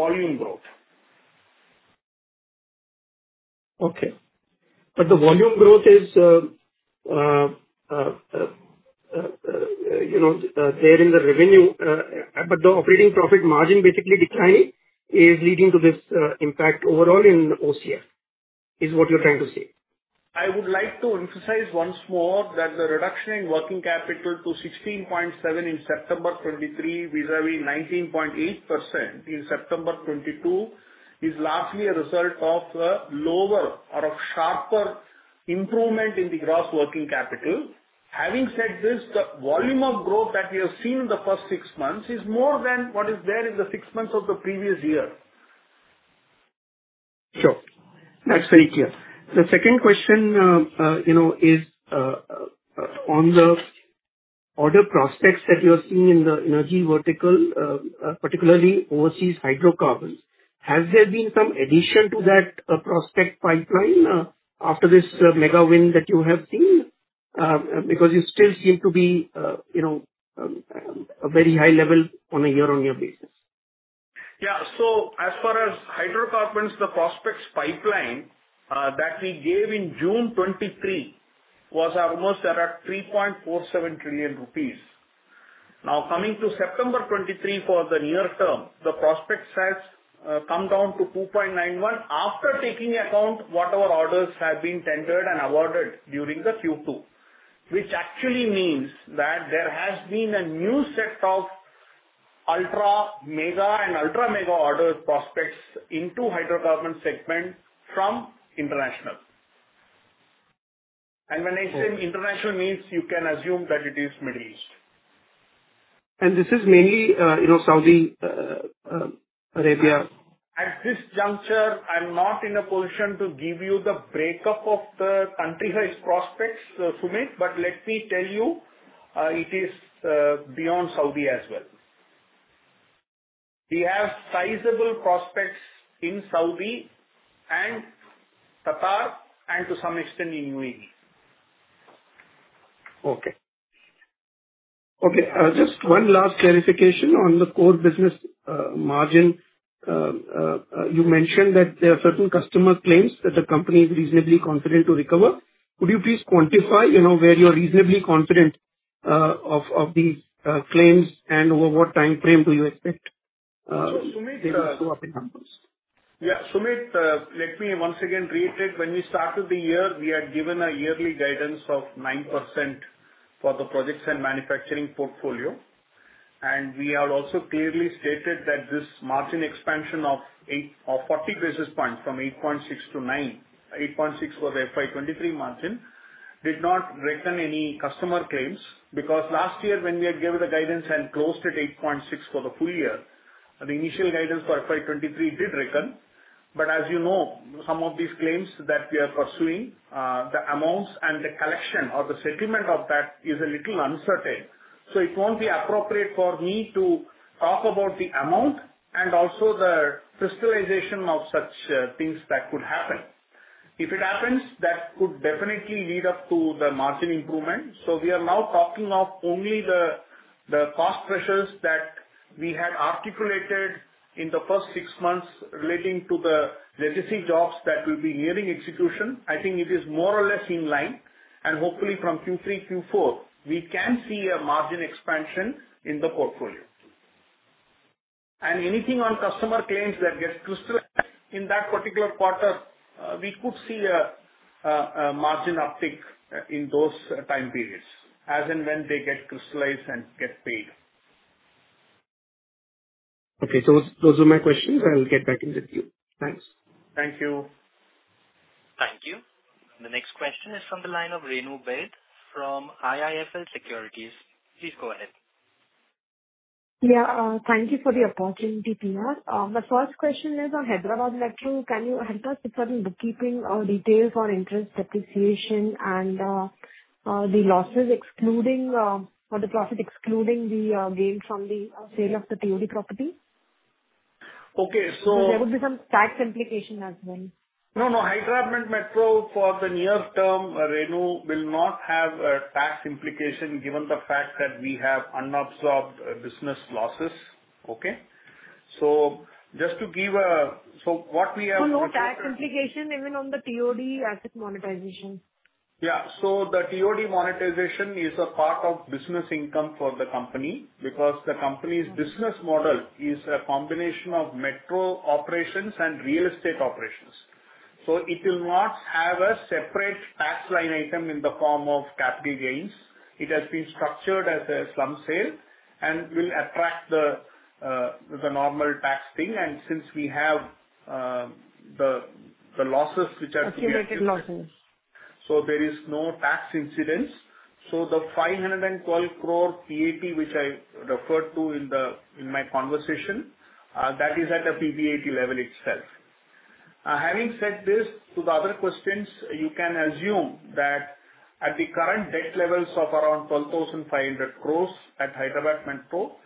volume growth. Okay. But the volume growth is, you know, there in the revenue, but the operating profit margin basically declining, is leading to this, impact overall in OCF, is what you're trying to say? I would like to emphasize once more that the reduction in working capital to 16.7 in September 2023, vis-à-vis 19.8% in September 2022, is largely a result of a lower or a sharper improvement in the gross working capital. Having said this, the volume of growth that we have seen in the first six months is more than what is there in the six months of the previous year. Sure. That's very clear. The second question, you know, is on the order prospects that you're seeing in the energy vertical, particularly overseas hydrocarbons. Has there been some addition to that prospect pipeline, after this mega win that you have seen? Because you still seem to be, you know, a very high level on a year-on-year basis. Yeah. So as far as hydrocarbons, the prospects pipeline, that we gave in June 2023, was almost around 3.47 trillion rupees. Now, coming to September 2023, for the near term, the prospects has come down to 2.91 trillion, after taking account whatever orders have been tendered and awarded during the Q2. Which actually means that there has been a new set of ultra, mega and ultra-mega order prospects into hydrocarbon segment from international. And when I say international means, you can assume that it is Middle East. This is mainly, you know, Saudi Arabia? At this juncture, I'm not in a position to give you the breakup of the country-wise prospects, Sumit, but let me tell you, it is, beyond Saudi as well. We have sizable prospects in Saudi and Qatar, and to some extent in UAE. Okay. Okay, just one last clarification on the core business, margin. You mentioned that there are certain customer claims that the company is reasonably confident to recover. Could you please quantify, you know, where you're reasonably confident of these claims, and over what time frame do you expect, So Sumit, To go up in numbers? Yeah, Sumit, let me once again reiterate, when we started the year, we had given a yearly guidance of 9% for the projects and manufacturing portfolio, and we have also clearly stated that this margin expansion of 8 or 40 basis points from 8.6 - 9, 8.6 was FY 2023 margin, did not reckon any customer claims. Because last year, when we had given the guidance and closed at 8.6 for the full year... The initial guidance for FY 2023 did reckon. But as you know, some of these claims that we are pursuing, the amounts and the collection or the settlement of that is a little uncertain. So it won't be appropriate for me to talk about the amount and also the crystallization of such things that could happen. If it happens, that could definitely lead up to the margin improvement. So we are now talking of only the cost pressures that we had articulated in the first six months relating to the legacy jobs that will be nearing execution. I think it is more or less in line, and hopefully from Q3, Q4, we can see a margin expansion in the portfolio. And anything on customer claims that gets crystallized in that particular quarter, we could see a margin uptick in those time periods, as and when they get crystallized and get paid. Okay. So those are my questions. I will get back in with you. Thanks. Thank you. Thank you. The next question is from the line of Renu Baid from IIFL Securities. Please go ahead. Yeah, thank you for the opportunity, PR. The first question is on Hyderabad Metro. Can you help us with certain bookkeeping or details for interest, depreciation, and the losses excluding, or the profit excluding the gains from the sale of the TOD property? Okay, so- There would be some tax implication as well. No, no. Hyderabad Metro for the near term, Renu, will not have a tax implication, given the fact that we have unabsorbed business losses. Okay? So what we are- No tax implication even on the TOD asset monetization. Yeah. So the TOD monetization is a part of business income for the company, because the company's business model is a combination of metro operations and real estate operations. So it will not have a separate tax line item in the form of capital gains. It has been structured as a slump sale and will attract the normal tax thing, and since we have the losses which are- Accumulated losses. There is no tax incidence. The 512 crore PAT, which I referred to in my conversation, that is at a PBIT level itself. Having said this, to the other questions, you can assume that at the current debt levels of around 12,500 crore at Hyderabad Metro,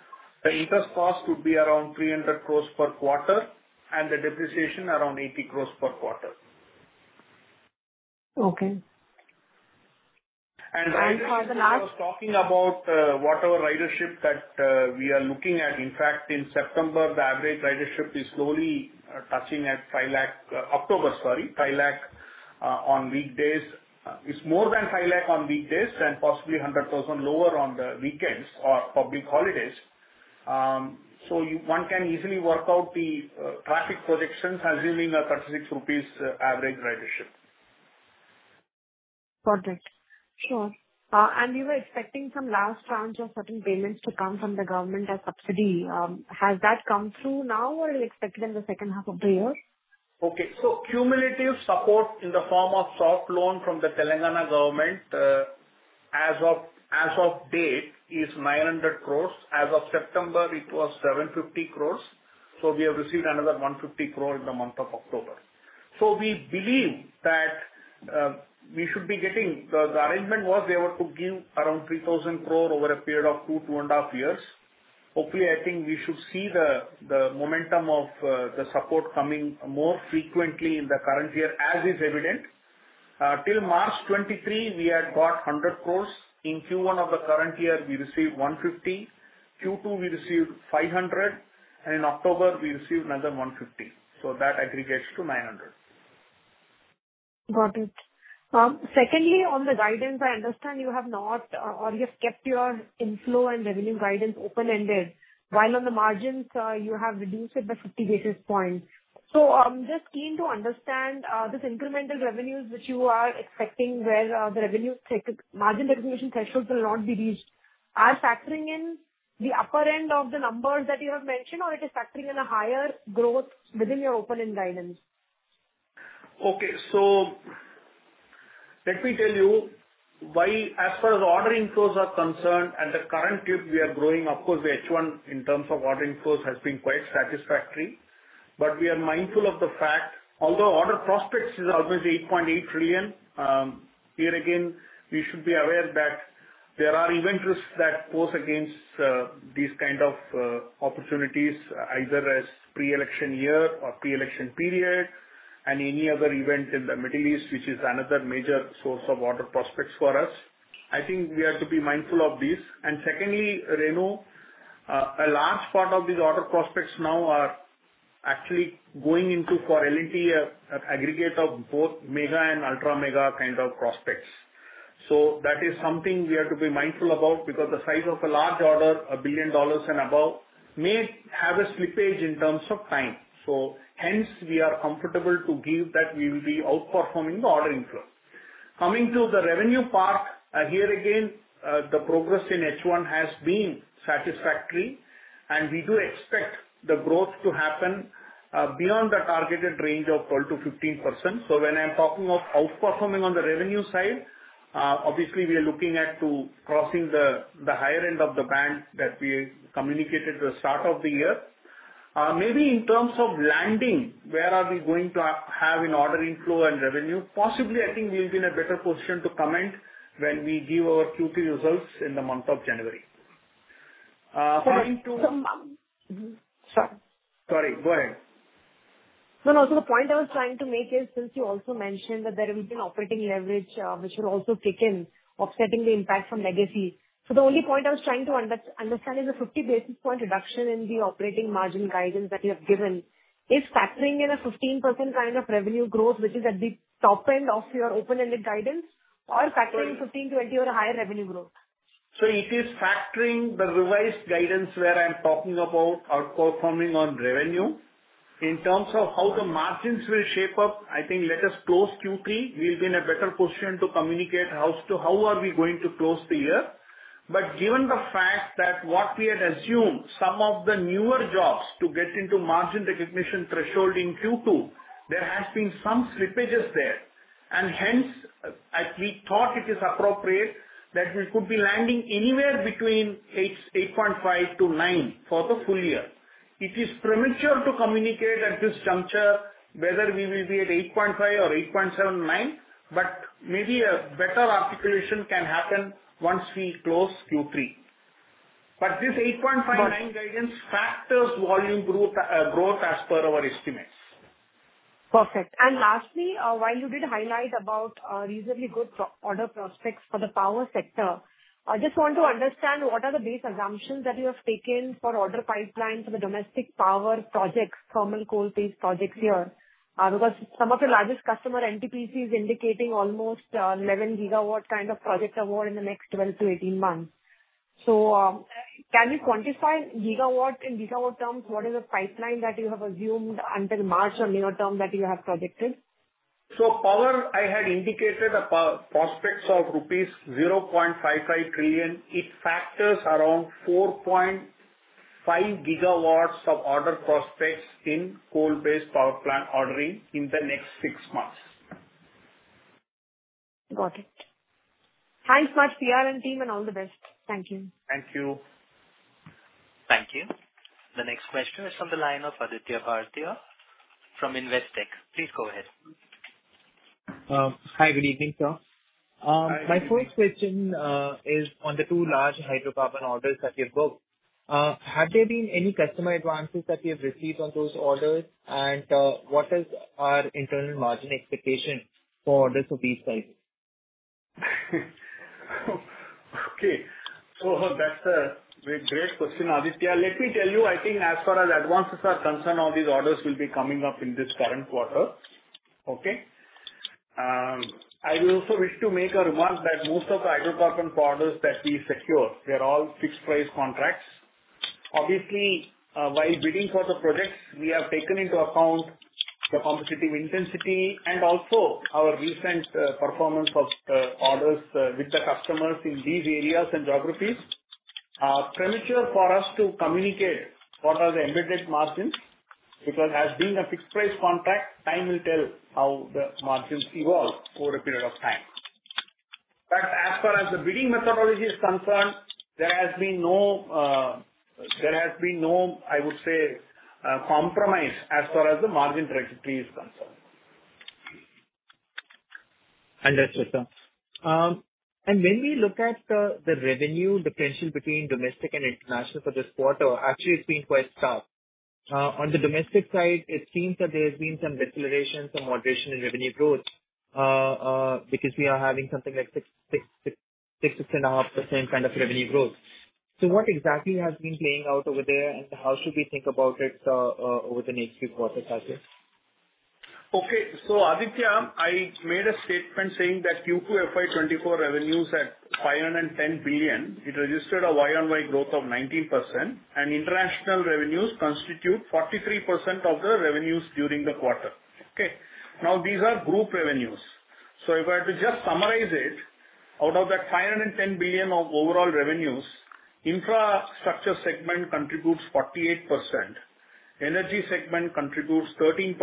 the interest cost would be around 300 crore per quarter, and the depreciation around 80 crore per quarter. Okay. For the last- I was talking about what our ridership that we are looking at. In fact, in September, the average ridership is slowly touching at 5 lakh. October, sorry, 5 lakh on weekdays. It's more than 5 lakh on weekdays and possibly 100,000 lower on the weekends or public holidays. So one can easily work out the traffic projections assuming a 36 rupees average ridership. Got it. Sure. And you were expecting some last round of certain payments to come from the government as subsidy. Has that come through now or is expected in the second half of the year? Okay. So cumulative support in the form of soft loan from the Telangana government, as of date, is 900 crore. As of September, it was 750 crore, so we have received another 150 crore in the month of October. So we believe that, we should be getting... The arrangement was they were to give around 3,000 crore over a period of two and a half years. Hopefully, I think we should see the momentum of the support coming more frequently in the current year, as is evident. Till March 2023, we had got 100 crore. In Q1 of the current year, we received 150, Q2, we received 500, and in October, we received another 150. So that aggregates to 900. Got it. Secondly, on the guidance, I understand you have not, or you have kept your inflow and revenue guidance open-ended, while on the margins, you have reduced it by 50 basis points. So I'm just keen to understand, this incremental revenues which you are expecting, where the revenue take, margin recognition thresholds will not be reached. Are factoring in the upper end of the numbers that you have mentioned, or it is factoring in a higher growth within your open-end guidance? Okay. So let me tell you why as far as order inflows are concerned, at the current tilt, we are growing. Of course, the H1, in terms of order inflows, has been quite satisfactory. But we are mindful of the fact, although order prospects is obviously 8.8 trillion, here again, we should be aware that there are event risks that pose against these kind of opportunities, either as pre-election year or pre-election period, and any other event in the Middle East, which is another major source of order prospects for us. I think we have to be mindful of this. And secondly, Renu, a large part of these order prospects now are actually going into correlated aggregate of both mega and ultra mega kind of prospects. So that is something we have to be mindful about, because the size of a large order, $1 billion and above, may have a slippage in terms of time. So hence, we are comfortable to give that we will be outperforming the order inflow. Coming to the revenue part, here again, the progress in H1 has been satisfactory, and we do expect the growth to happen beyond the targeted range of 12%-15%. So when I'm talking of outperforming on the revenue side, obviously we are looking at to crossing the higher end of the band that we communicated at the start of the year. Maybe in terms of landing, where are we going to have an order inflow and revenue? Possibly, I think we'll be in a better position to comment when we give our Q2 results in the month of January. Coming to- So, um- Sorry, go ahead. No, no, so the point I was trying to make is, since you also mentioned that there will be an operating leverage, which will also kick in, offsetting the impact from legacy. So the only point I was trying to understand is the 50 basis point reduction in the operating margin guidance that you have given, is factoring in a 15% kind of revenue growth, which is at the top end of your open-ended guidance, or factoring in 15, 20 or a higher revenue growth? It is factoring the revised guidance where I'm talking about outperforming on revenue. In terms of how the margins will shape up, I think let us close Q3, we'll be in a better position to communicate how we are going to close the year. But given the fact that what we had assumed, some of the newer jobs to get into margin recognition threshold in Q2, there has been some slippages there, and hence, we thought it is appropriate that we could be landing anywhere between 8, 8.5 to 9 for the full year. It is premature to communicate at this juncture, whether we will be at 8.5 or 8.7, 9, but maybe a better articulation can happen once we close Q3. But this 8.5-9 guidance factors volume growth as per our estimates. Perfect. Lastly, while you did highlight about reasonably good order prospects for the power sector, I just want to understand what are the base assumptions that you have taken for order pipeline for the domestic power projects, thermal coal-based projects here. Because some of the largest customer NTPC is indicating almost 11 gigawatt kind of project award in the next 12-18 months. So, can you quantify gigawatt? In gigawatt terms, what is the pipeline that you have assumed until March or nearer term that you have projected? Power, I had indicated prospects of rupees 0.55 trillion. It factors around 4.5 gigawatts of order prospects in coal-based power plant ordering in the next six months. Got it. Thanks much, PR and team, and all the best. Thank you. Thank you. Thank you. The next question is from the line of Aditya Bhartia from Investec. Please go ahead. Hi, good evening, sir. Hi. My first question is on the two large hydrocarbon orders that you've booked. Have there been any customer advances that you've received on those orders? And, what is our internal margin expectation for orders of this size? Okay. So that's a great, great question, Aditya. Let me tell you, I think as far as advances are concerned, all these orders will be coming up in this current quarter. Okay? I also wish to make a remark that most of the hydrocarbon orders that we secure, they're all fixed price contracts. Obviously, while bidding for the projects, we have taken into account the competitive intensity and also our recent performance of orders with the customers in these areas and geographies. Premature for us to communicate what are the embedded margins, because as being a fixed price contract, time will tell how the margins evolve over a period of time. But as far as the bidding methodology is concerned, there has been no, there has been no, I would say, compromise as far as the margin trajectory is concerned. Understood, sir. And when we look at the revenue, the tension between domestic and international for this quarter, actually it's been quite sharp. On the domestic side, it seems that there has been some deceleration, some moderation in revenue growth, because we are having something like 6-6.5% kind of revenue growth. So what exactly has been playing out over there, and how should we think about it over the next few quarters out here? Okay. So Aditya, I made a statement saying that Q2 FY 2024 revenues at 510 billion, it registered a Y-on-Y growth of 19%, and international revenues constitute 43% of the revenues during the quarter. Okay? Now, these are group revenues. So if I were to just summarize it, out of that 510 billion of overall revenues, infrastructure segment contributes 48%, energy segment contributes 13%.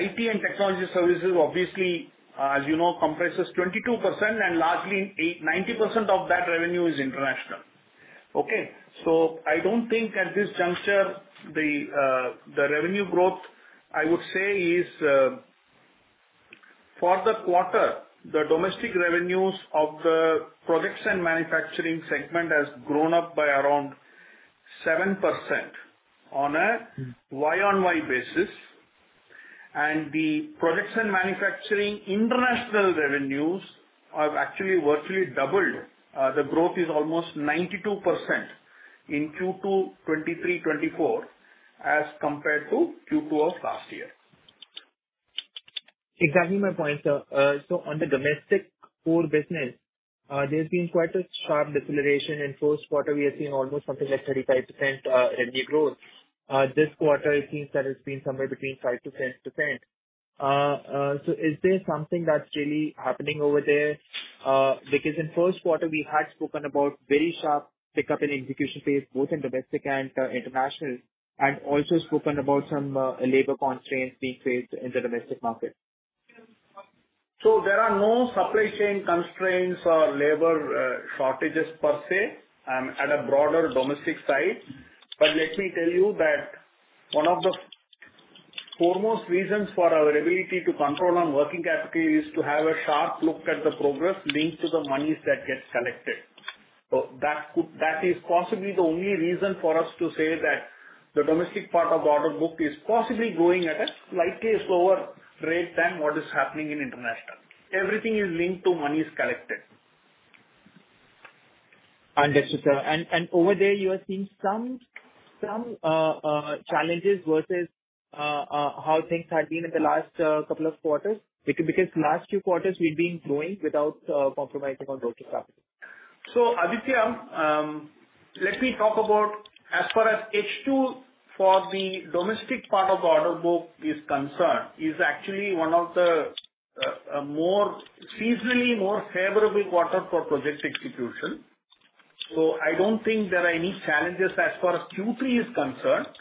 IT and technology services, obviously, as you know, comprises 22%, and largely 80%-90% of that revenue is international. Okay? So I don't think at this juncture, the revenue growth, I would say, is, for the quarter, the domestic revenues of the projects and manufacturing segment has grown up by around 7% on a year-on-year basis, and the projects and manufacturing international revenues have actually virtually doubled. The growth is almost 92% in Q2 2023-2024, as compared to Q2 of last year. Exactly my point, sir. So on the domestic core business, there's been quite a sharp deceleration. In first quarter, we have seen almost something like 35% revenue growth. This quarter it seems that it's been somewhere between 5%-6%. So is there something that's really happening over there? Because in first quarter, we had spoken about very sharp pickup in execution phase, both in domestic and international, and also spoken about some labor constraints being faced in the domestic market. There are no supply chain constraints or labor shortages per se at a broader domestic side. Let me tell you that one of the foremost reasons for our ability to control on working capital is to have a sharp look at the progress linked to the monies that get collected. That is possibly the only reason for us to say that the domestic part of order book is possibly growing at a slightly slower rate than what is happening in international. Everything is linked to monies collected. Understood, sir. Over there, you are seeing some challenges versus how things had been in the last couple of quarters? Because last few quarters we've been growing without compromising on working capital. So, Aditya, let me talk about as far as H2, for the domestic part of order book is concerned, is actually one of the more seasonally more favorable quarter for project execution. So I don't think there are any challenges as far as Q3 is concerned.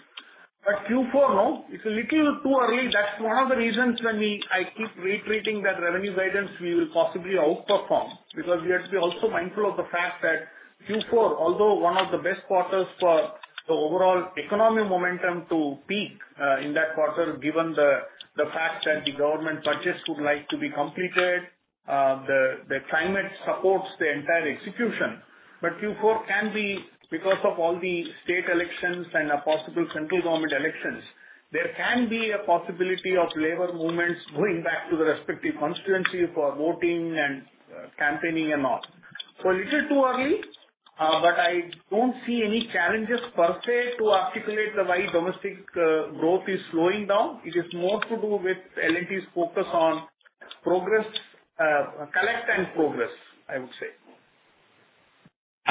But Q4, no, it's a little too early. That's one of the reasons when we, I keep reiterating that revenue guidance, we will possibly outperform, because we have to be also mindful of the fact that Q4, although one of the best quarters for the overall economic momentum to peak in that quarter, given the fact that the government budgets would like to be completed, the climate supports the entire execution. But Q4 can be, because of all the state elections and a possible central government elections, there can be a possibility of labor movements going back to the respective constituency for voting and, campaigning and all. So a little too early, but I don't see any challenges per se, to articulate the why domestic, growth is slowing down. It is more to do with L&T's focus on progress, collect and progress, I would say.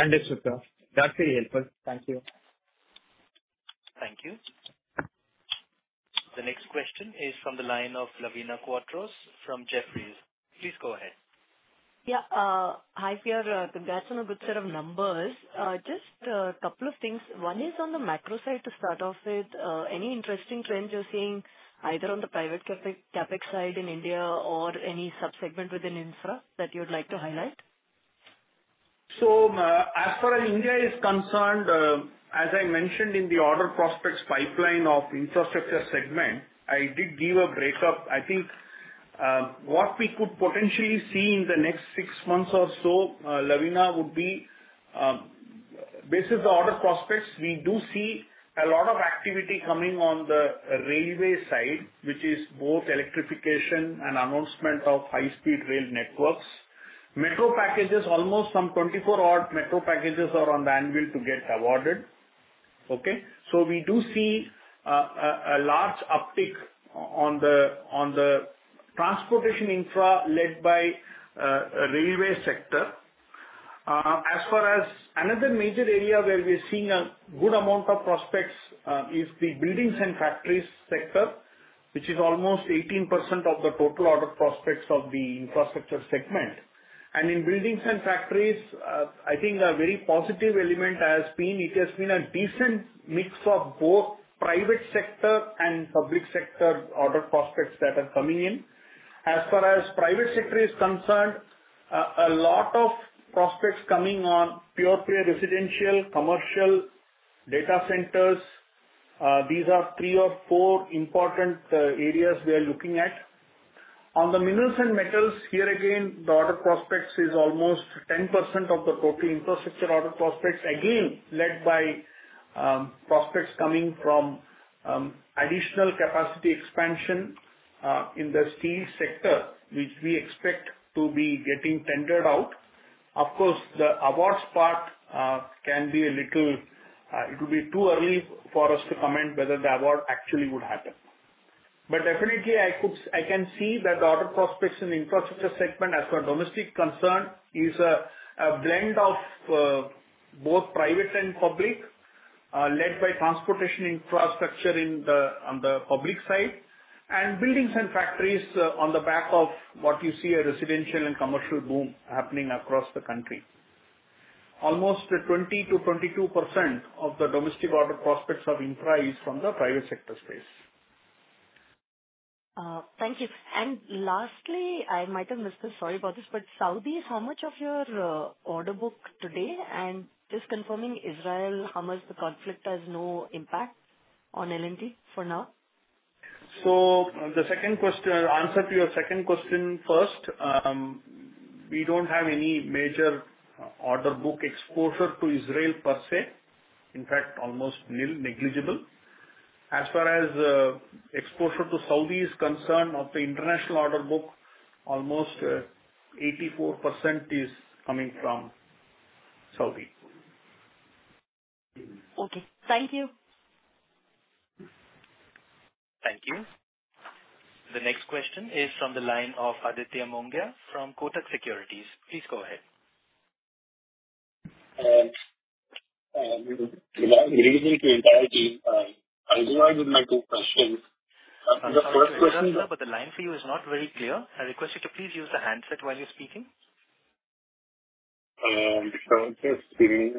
Understood, sir. That's very helpful. Thank you. Thank you. The next question is from the line of Lavina Quadros from Jefferies. Please go ahead. Yeah, hi, PR. Congrats on a good set of numbers. Just a couple of things. One is on the macro side to start off with, any interesting trends you're seeing, either on the private CapEx, CapEx side in India or any sub-segment within infra that you'd like to highlight? So, as far as India is concerned, as I mentioned in the order prospects pipeline of infrastructure segment, I did give a breakup. I think, what we could potentially see in the next six months or so, Lavina, would be, based on the order prospects, we do see a lot of activity coming on the railway side, which is both electrification and announcement of high-speed rail networks. Metro packages, almost some 24 odd metro packages are on the anvil to get awarded. Okay, so we do see a large uptick on the transportation infra led by a railway sector. As far as another major area where we are seeing a good amount of prospects is the buildings and factories sector, which is almost 18% of the total order prospects of the infrastructure segment. In buildings and factories, I think a very positive element has been, it has been a decent mix of both private sector and public sector order prospects that are coming in. As far as private sector is concerned, a lot of prospects coming on pure play, residential, commercial, data centers. These are three or four important areas we are looking at. On the minerals and metals, here again, the order prospects is almost 10% of the total infrastructure order prospects, again, led by prospects coming from additional capacity expansion in the steel sector, which we expect to be getting tendered out. Of course, the awards part can be a little. It would be too early for us to comment whether the award actually would happen. Definitely, I can see that the order prospects in infrastructure segment as far as domestic concern, is a blend of both private and public, led by transportation infrastructure in the, on the public side, and buildings and factories on the back of what you see, a residential and commercial boom happening across the country. Almost 20%-22% of the domestic order prospects of infra is from the private sector space. Thank you. Lastly, I might have missed this, sorry about this, but Saudi, how much of your order book today? Just confirming Israel, how much the conflict has no impact on L&T for now? So, the second question: answer to your second question first. We don't have any major order book exposure to Israel per se. In fact, almost nil, negligible. As far as exposure to Saudi is concerned, of the international order book, almost 84% is coming from Saudi. Okay. Thank you. Thank you. The next question is from the line of Aditya Mongia from Kotak Securities. Please go ahead.... Greetings to entire team, I'll go on with my two questions. The first question- But the line for you is not very clear. I request you to please use the handset while you're speaking. So just speaking.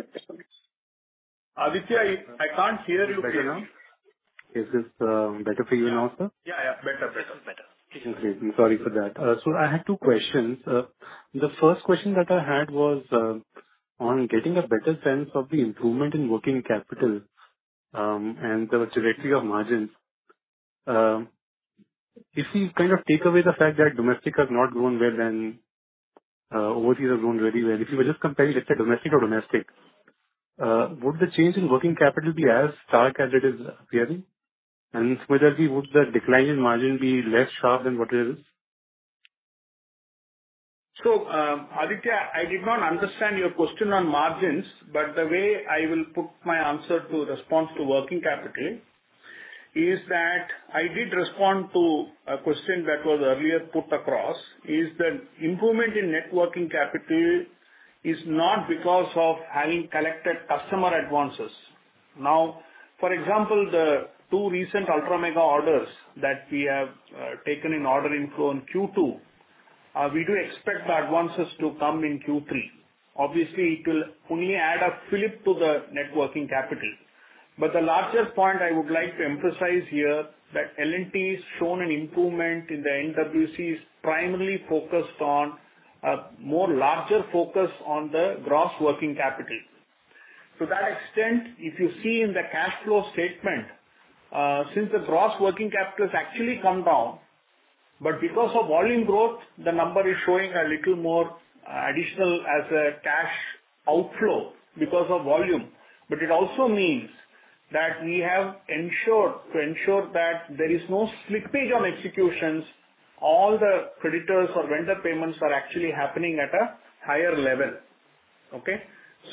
Aditya, I can't hear you clearly. Is this better for you now, sir? Yeah, yeah. Better, better, better. Okay. I'm sorry for that. So I had two questions. The first question that I had was on getting a better sense of the improvement in working capital, and the trajectory of margins. If you kind of take away the fact that domestic has not grown well, then overseas have grown very well. If you were just comparing, let's say, domestic to domestic, would the change in working capital be as stark as it is appearing? And similarly, would the decline in margin be less sharp than what it is? So, Aditya, I did not understand your question on margins, but the way I will put my answer to respond to working capital is that I did respond to a question that was earlier put across, is the improvement in net working capital is not because of having collected customer advances. Now, for example, the two recent ultra mega orders that we have taken in order inflow in Q2, we do expect the advances to come in Q3. Obviously, it will only add a fillip to the net working capital. But the larger point I would like to emphasize here, that L&T's shown an improvement in the NWC is primarily focused on a more larger focus on the gross working capital. To that extent, if you see in the cash flow statement, since the gross working capital has actually come down, but because of volume growth, the number is showing a little more, additional as a cash outflow because of volume. But it also means that we have ensured, to ensure that there is no slippage on executions, all the creditors or vendor payments are actually happening at a higher level. Okay?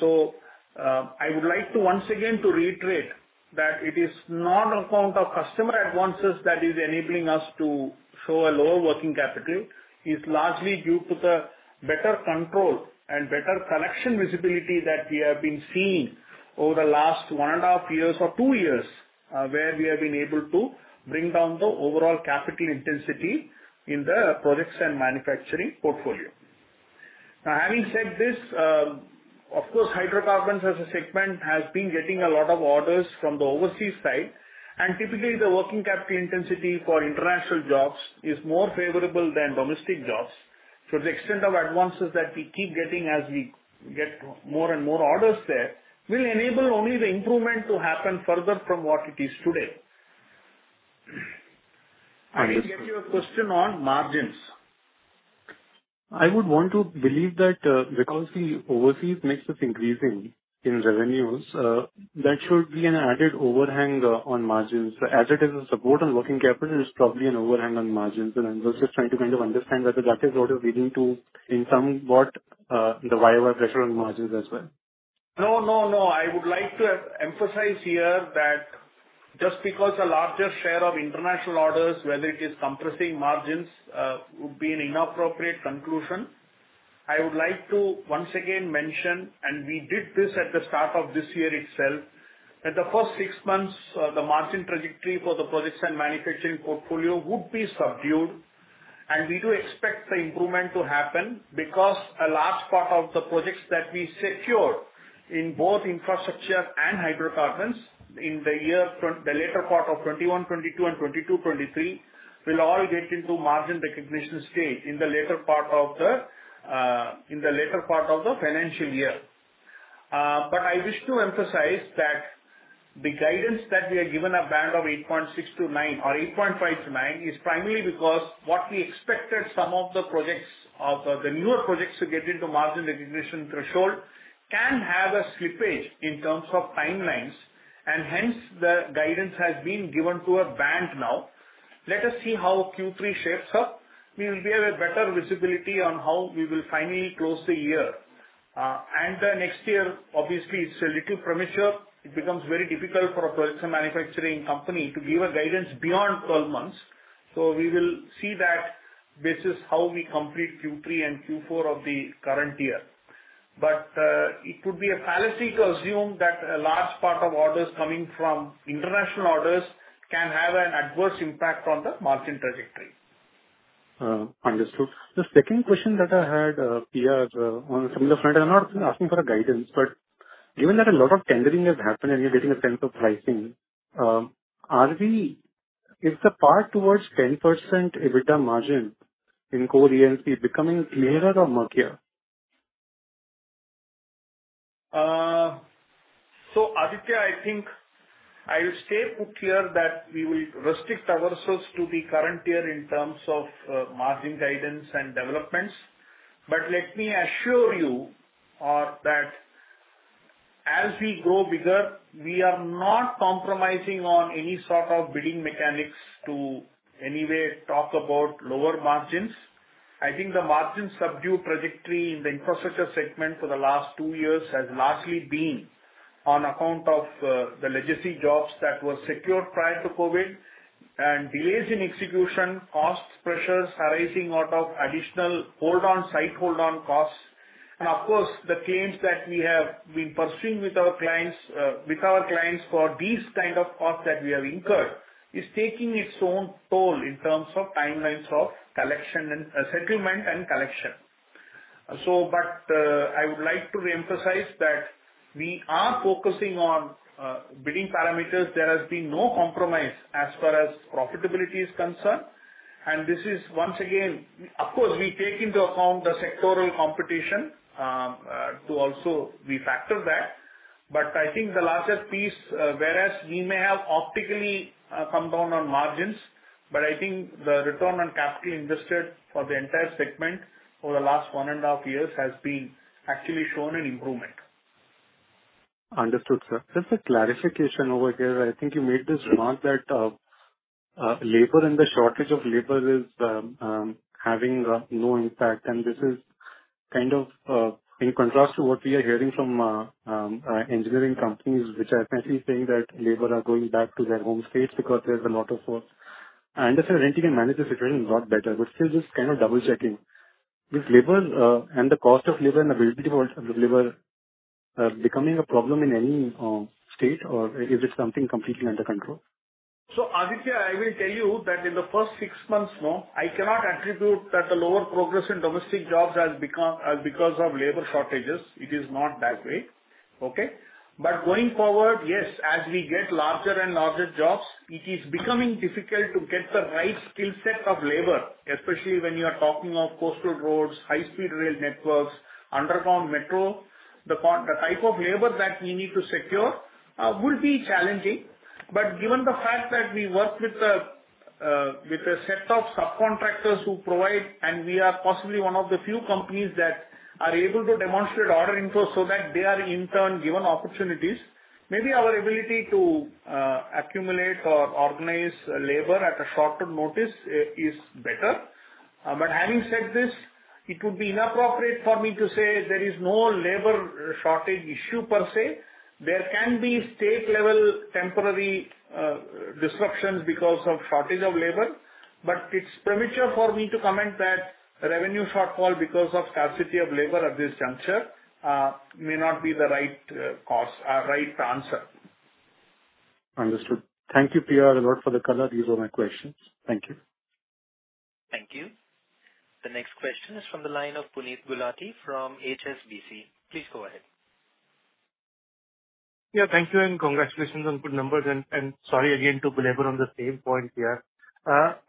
So, I would like to once again to reiterate that it is not account of customer advances that is enabling us to show a lower working capital. It's largely due to the better control and better collection visibility that we have been seeing over the last 1.5 years or 2 years, where we have been able to bring down the overall capital intensity in the projects and manufacturing portfolio. Now, having said this, of course, hydrocarbons as a segment has been getting a lot of orders from the overseas side, and typically, the working capital intensity for international jobs is more favorable than domestic jobs. So the extent of advances that we keep getting as we get more and more orders there, will enable only the improvement to happen further from what it is today. I didn't get your question on margins. I would want to believe that, because the overseas mix is increasing in revenues, that should be an added overhang on margins. As it is a support on working capital, it is probably an overhang on margins, and I'm just trying to kind of understand whether that is what is leading to, in somewhat, the why we are pressure on margins as well. No, no, no. I would like to emphasize here that just because a larger share of international orders, whether it is compressing margins, would be an inappropriate conclusion. I would like to once again mention, and we did this at the start of this year itself, that the first six months, the margin trajectory for the projects and manufacturing portfolio would be subdued, and we do expect the improvement to happen because a large part of the projects that we secured in both infrastructure and hydrocarbons in the year... the later part of 2021, 2022 and 2022-23, will all get into margin recognition stage in the later part of the, in the later part of the financial year. But I wish to emphasize that the guidance that we are given a band of 8.6%-9% or 8.5%-9%, is primarily because what we expected some of the projects of, the newer projects to get into margin recognition threshold can have a slippage in terms of timelines, and hence, the guidance has been given to a band now. Let us see how Q3 shapes up. We will have a better visibility on how we will finally close the year. And the next year, obviously, it’s a little premature. It becomes very difficult for a projects and manufacturing company to give a guidance beyond 12 months. So we will see that basis how we complete Q3 and Q4 of the current year. But, it would be a fallacy to assume that a large part of orders coming from international orders can have an adverse impact on the margin trajectory. Understood. The second question that I had, PR, on a similar front, I'm not asking for a guidance, but given that a lot of tendering has happened and you're getting a sense of pricing, is the path towards 10% EBITDA margin in core EMP becoming clearer or murkier? So Aditya, I think I will stay put here that we will restrict ourselves to the current year in terms of margin guidance and developments. But let me assure you that as we grow bigger, we are not compromising on any sort of bidding mechanics to any way talk about lower margins. I think the margin subdued trajectory in the infrastructure segment for the last two years has largely been on account of the legacy jobs that were secured prior to COVID and delays in execution, costs, pressures arising out of additional hold on, site hold on costs. And of course, the claims that we have been pursuing with our clients with our clients for these kind of costs that we have incurred is taking its own toll in terms of timelines of collection and settlement and collection. But, I would like to reemphasize that we are focusing on bidding parameters. There has been no compromise as far as profitability is concerned, and this is once again, of course, we take into account the sectoral competition to also refactor that. But I think the largest piece, whereas we may have optically come down on margins, but I think the return on capital invested for the entire segment over the last 1.5 years has actually shown an improvement. Understood, sir. Just a clarification over here. I think you made this remark that labor and the shortage of labor is having no impact. And this is kind of in contrast to what we are hearing from engineering companies, which are essentially saying that labor are going back to their home states because there's a lot of force. I understand L&T can manage the situation a lot better, but still just kind of double-checking. Is labor and the cost of labor and availability of labor becoming a problem in any state, or is it something completely under control? So, Aditya, I will tell you that in the first six months now, I cannot attribute that the lower progress in domestic jobs has become because of labor shortages. It is not that way. Okay? But going forward, yes, as we get larger and larger jobs, it is becoming difficult to get the right skill set of labor, especially when you are talking of coastal roads, high-speed rail networks, underground metro. The type of labor that we need to secure will be challenging. But given the fact that we work with a set of subcontractors who provide, and we are possibly one of the few companies that are able to demonstrate order inflow so that they are in turn given opportunities, maybe our ability to accumulate or organize labor at a shorter notice is better. But having said this, it would be inappropriate for me to say there is no labor shortage issue per se. There can be state-level temporary disruptions because of shortage of labor, but it's premature for me to comment that revenue shortfall because of scarcity of labor at this juncture may not be the right cause, right answer. Understood. Thank you, PR, a lot for the color. These are my questions. Thank you. Thank you. The next question is from the line of Puneet Gulati from HSBC. Please go ahead. Yeah, thank you, and congratulations on good numbers. Sorry again to belabor on the same point here.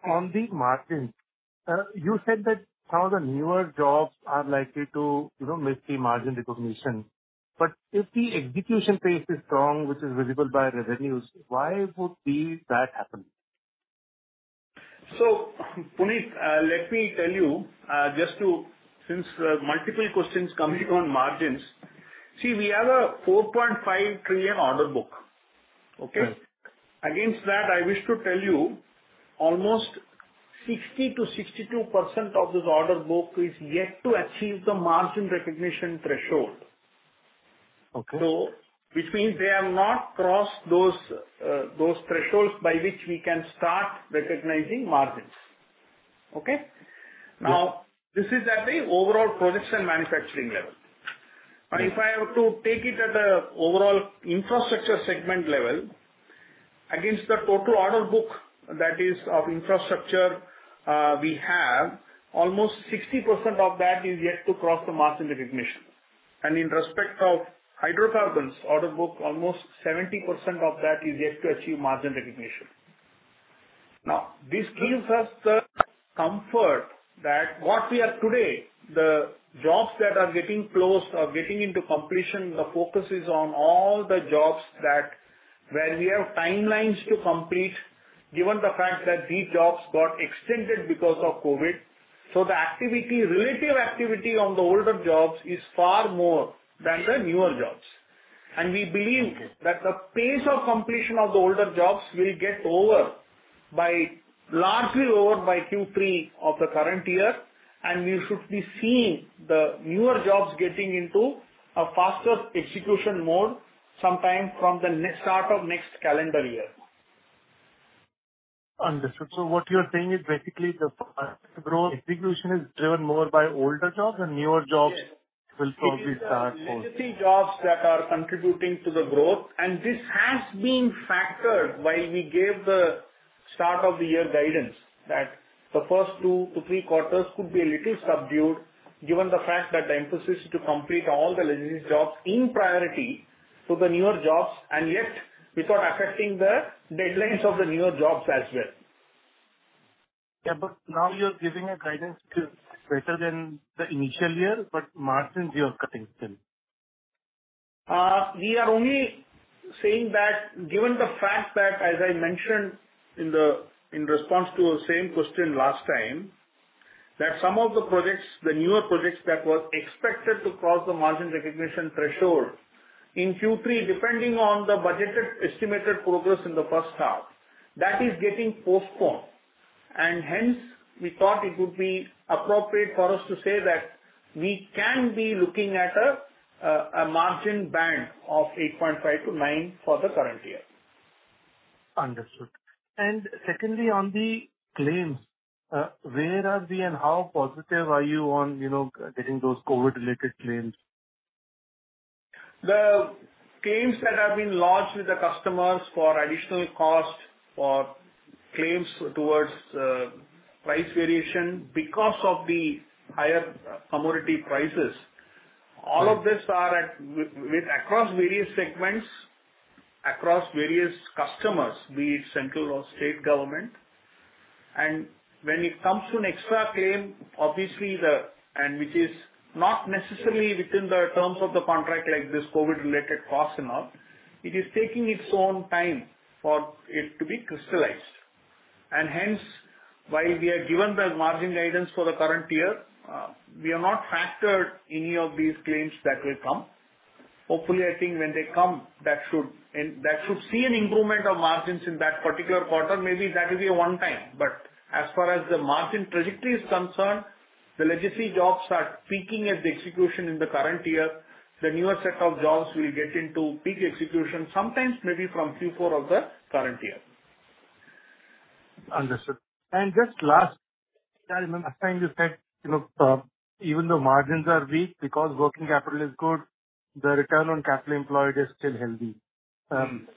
On the margin, you said that some of the newer jobs are likely to, you know, miss the margin recognition. But if the execution pace is strong, which is visible by revenues, why would that happen? So, Puneet, let me tell you, just to... Since multiple questions coming on margins. See, we have a 4.5 trillion order book, okay? Okay. Against that, I wish to tell you, almost 60%-62% of this order book is yet to achieve the margin recognition threshold. Okay. Which means they have not crossed those, those thresholds by which we can start recognizing margins. Okay? Okay. Now, this is at the overall projects and manufacturing level. But if I were to take it at the overall infrastructure segment level, against the total order book that is of infrastructure, we have, almost 60% of that is yet to cross the margin recognition. And in respect of hydrocarbons order book, almost 70% of that is yet to achieve margin recognition. Now, this gives us the comfort that what we have today, the jobs that are getting closed or getting into completion, the focus is on all the jobs that where we have timelines to complete, given the fact that these jobs got extended because of COVID. So the activity, relative activity on the older jobs is far more than the newer jobs. We believe that the pace of completion of the older jobs will get over by, largely over by Q3 of the current year, and we should be seeing the newer jobs getting into a faster execution mode, sometime from the next start of next calendar year. Understood. So what you're saying is basically the growth execution is driven more by older jobs and newer jobs- Yes. will probably start more. Legacy jobs that are contributing to the growth, and this has been factored while we gave the start of the year guidance, that the first two to three quarters could be a little subdued, given the fact that the emphasis is to complete all the legacy jobs in priority to the newer jobs, and yet without affecting the deadlines of the newer jobs as well. Yeah, but now you're giving a guidance to better than the initial year, but margins you are cutting still. We are only saying that given the fact that, as I mentioned in response to the same question last time, that some of the projects, the newer projects that were expected to cross the margin recognition threshold in Q3, depending on the budgeted estimated progress in the first half, that is getting postponed... and hence, we thought it would be appropriate for us to say that we can be looking at a margin band of 8.5%-9% for the current year. Understood. And secondly, on the claims, where are we and how positive are you on, you know, getting those COVID-related claims? The claims that have been lodged with the customers for additional cost or claims towards, price variation because of the higher commodity prices, all of this are at with across various segments, across various customers, be it central or state government. When it comes to an extra claim, obviously, and which is not necessarily within the terms of the contract, like this COVID-related cost and all, it is taking its own time for it to be crystallized. Hence, while we have given the margin guidance for the current year, we have not factored any of these claims that will come. Hopefully, I think when they come, that should, and that should see an improvement of margins in that particular quarter. Maybe that will be a one-time, but as far as the margin trajectory is concerned, the legacy jobs are peaking at the execution in the current year. The newer set of jobs will get into peak execution, sometimes maybe from Q4 of the current year. Understood. Just last, I remember last time you said, you know, even though margins are weak, because working capital is good, the return on capital employed is still healthy.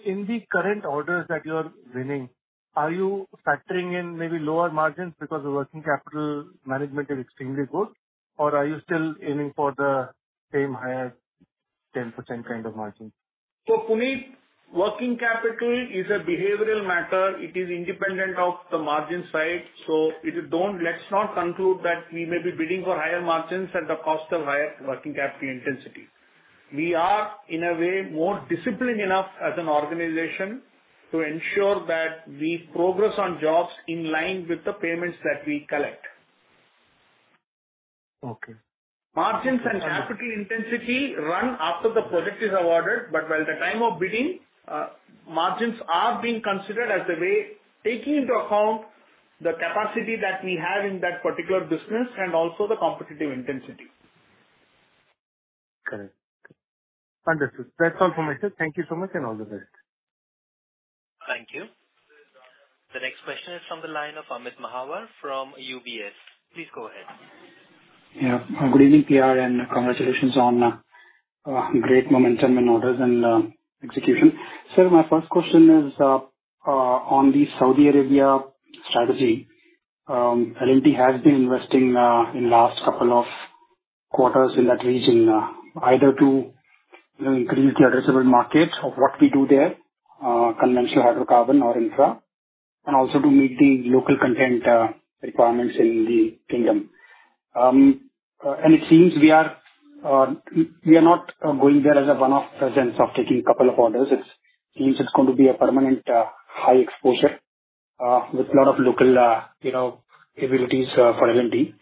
In the current orders that you're winning, are you factoring in maybe lower margins because the working capital management is extremely good, or are you still aiming for the same higher 10% kind of margin? So, Puneet, working capital is a behavioral matter. It is independent of the margin side, so let's not conclude that we may be bidding for higher margins at the cost of higher working capital intensity. We are, in a way, more disciplined enough as an organization to ensure that we progress on jobs in line with the payments that we collect. Okay. Margins and capital intensity run after the project is awarded, but while the time of bidding, margins are being considered as the way, taking into account the capacity that we have in that particular business and also the competitive intensity. Correct. Understood. That's all from my side. Thank you so much, and all the best. Thank you. The next question is from the line of Amit Mahawar from UBS. Please go ahead. Yeah. Good evening, PR, and congratulations on great momentum and orders and execution. Sir, my first question is on the Saudi Arabia strategy. L&T has been investing in last couple of quarters in that region either to increase the addressable market of what we do there conventional hydrocarbon or infra, and also to meet the local content requirements in the Kingdom. And it seems we are we are not going there as a one-off presence of taking couple of orders. It seems it's going to be a permanent high exposure with a lot of local you know abilities for L&T.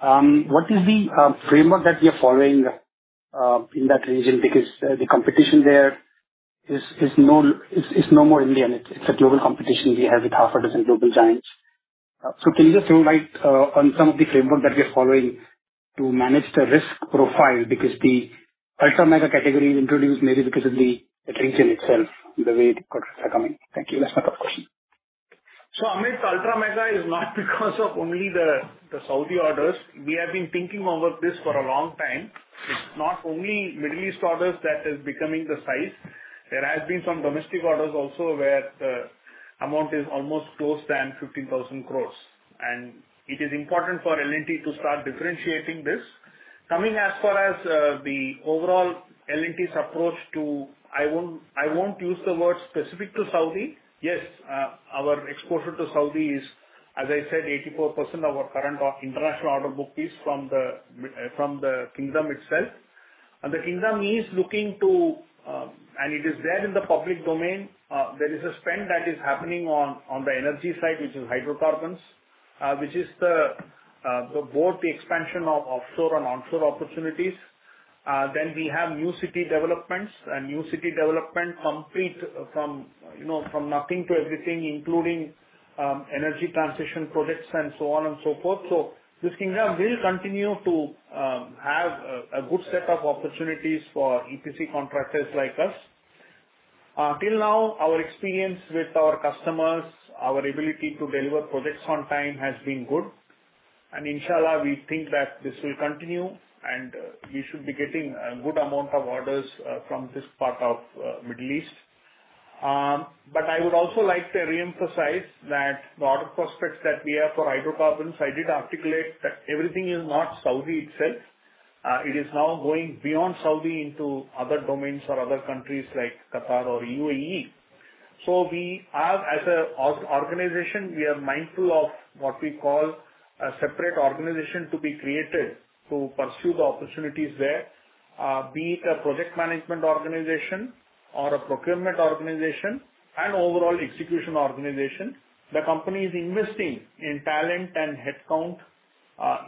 What is the framework that you're following in that region? Because the competition there is no more Indian. It's a global competition we have with 6 global giants. So can you just throw light on some of the framework that you're following to manage the risk profile, because the Ultra Mega category is introduced maybe because of the region itself, the way the products are coming. Thank you. That's my question. So, Amit, ultra mega is not because of only the Saudi orders. We have been thinking about this for a long time. It's not only Middle East orders that is becoming the size. There has been some domestic orders also where the amount is almost close than 50,000 crore, and it is important for L&T to start differentiating this. Coming as far as the overall L&T's approach to... I won't use the word specific to Saudi. Yes, our exposure to Saudi is, as I said, 84% of our current international order book is from the kingdom itself. And the kingdom is looking to, and it is there in the public domain, there is a spend that is happening on the energy side, which is hydrocarbons. Which is both the expansion of offshore and onshore opportunities. Then we have new city developments, and new city development complete from, you know, from nothing to everything, including energy transition projects and so on and so forth. So this kingdom will continue to have a good set of opportunities for EPC contractors like us. Till now, our experience with our customers, our ability to deliver projects on time has been good, and inshallah, we think that this will continue, and we should be getting a good amount of orders from this part of Middle East. But I would also like to reemphasize that the order prospects that we have for hydrocarbons, I did articulate that everything is not Saudi itself. It is now going beyond Saudi into other domains or other countries like Qatar or UAE. So we have, as an organization, we are mindful of what we call a separate organization to be created to pursue the opportunities there, be it a project management organization or a procurement organization and overall execution organization. The company is investing in talent and headcount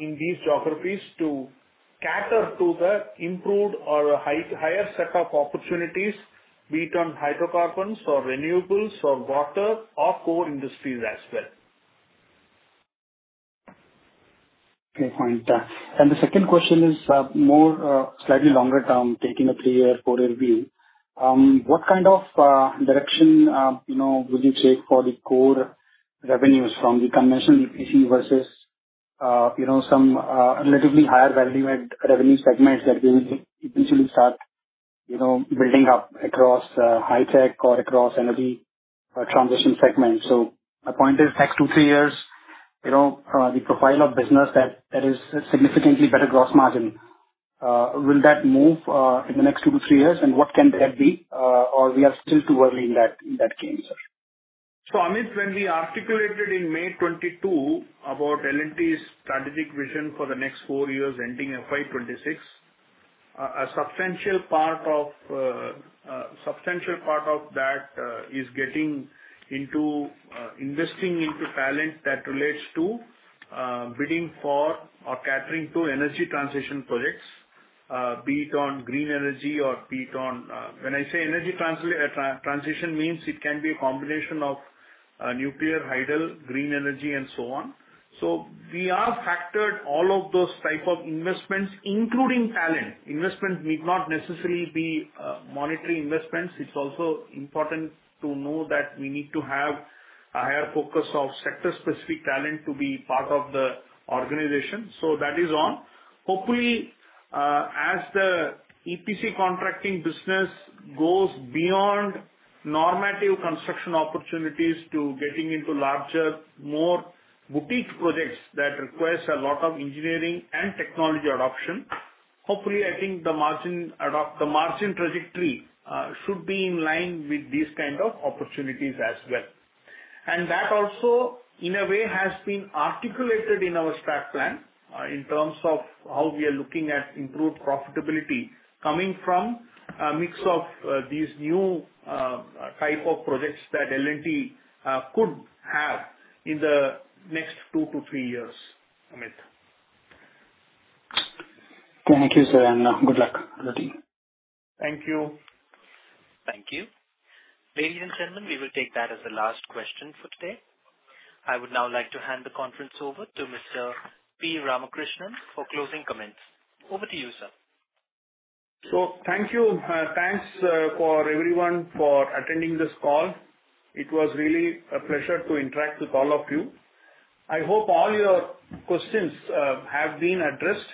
in these geographies to cater to the improved or higher set of opportunities, be it on hydrocarbons or renewables or water or core industries as well. Okay, fine. And the second question is, more, slightly longer term, taking a three-year, four-year view. What kind of, direction, you know, would you say for the core revenues from the conventional EPC versus, you know, some, relatively higher value add revenue segments that we will eventually start, you know, building up across, high tech or across energy or transition segment? So my point is, next two, three years, you know, the profile of business that, that is significantly better gross margin, will that move, in the next two to three years, and what can that be? Or we are still too early in that, in that game, sir. So, Amit, when we articulated in May 2022 about L&T's strategic vision for the next four years, ending in FY 2026, a substantial part of that is getting into investing into talent that relates to bidding for or catering to energy transition projects, be it on green energy or be it on... When I say energy transition means it can be a combination of nuclear, hydel, green energy, and so on. So we have factored all of those type of investments, including talent. Investments need not necessarily be monetary investments. It's also important to know that we need to have a higher focus of sector-specific talent to be part of the organization. So that is on. Hopefully, as the EPC contracting business goes beyond normative construction opportunities to getting into larger, more boutique projects that requires a lot of engineering and technology adoption, hopefully, I think the margin trajectory should be in line with these kind of opportunities as well. And that also, in a way, has been articulated in our strat plan, in terms of how we are looking at improved profitability coming from a mix of these new type of projects that L&T could have in the next two to three years, Amit. Thank you, sir, and good luck to the team. Thank you. Thank you. Ladies and gentlemen, we will take that as the last question for today. I would now like to hand the conference over to Mr. P. Ramakrishnan for closing comments. Over to you, sir. Thank you. Thanks for everyone for attending this call. It was really a pleasure to interact with all of you. I hope all your questions have been addressed.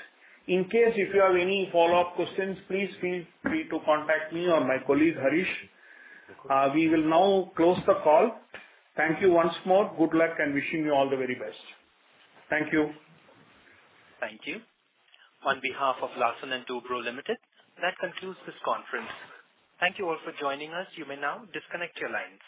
In case if you have any follow-up questions, please feel free to contact me or my colleague, Harish. We will now close the call. Thank you once more. Good luck, and wishing you all the very best. Thank you. Thank you. On behalf of Larsen & Toubro Limited, that concludes this conference. Thank you all for joining us. You may now disconnect your lines.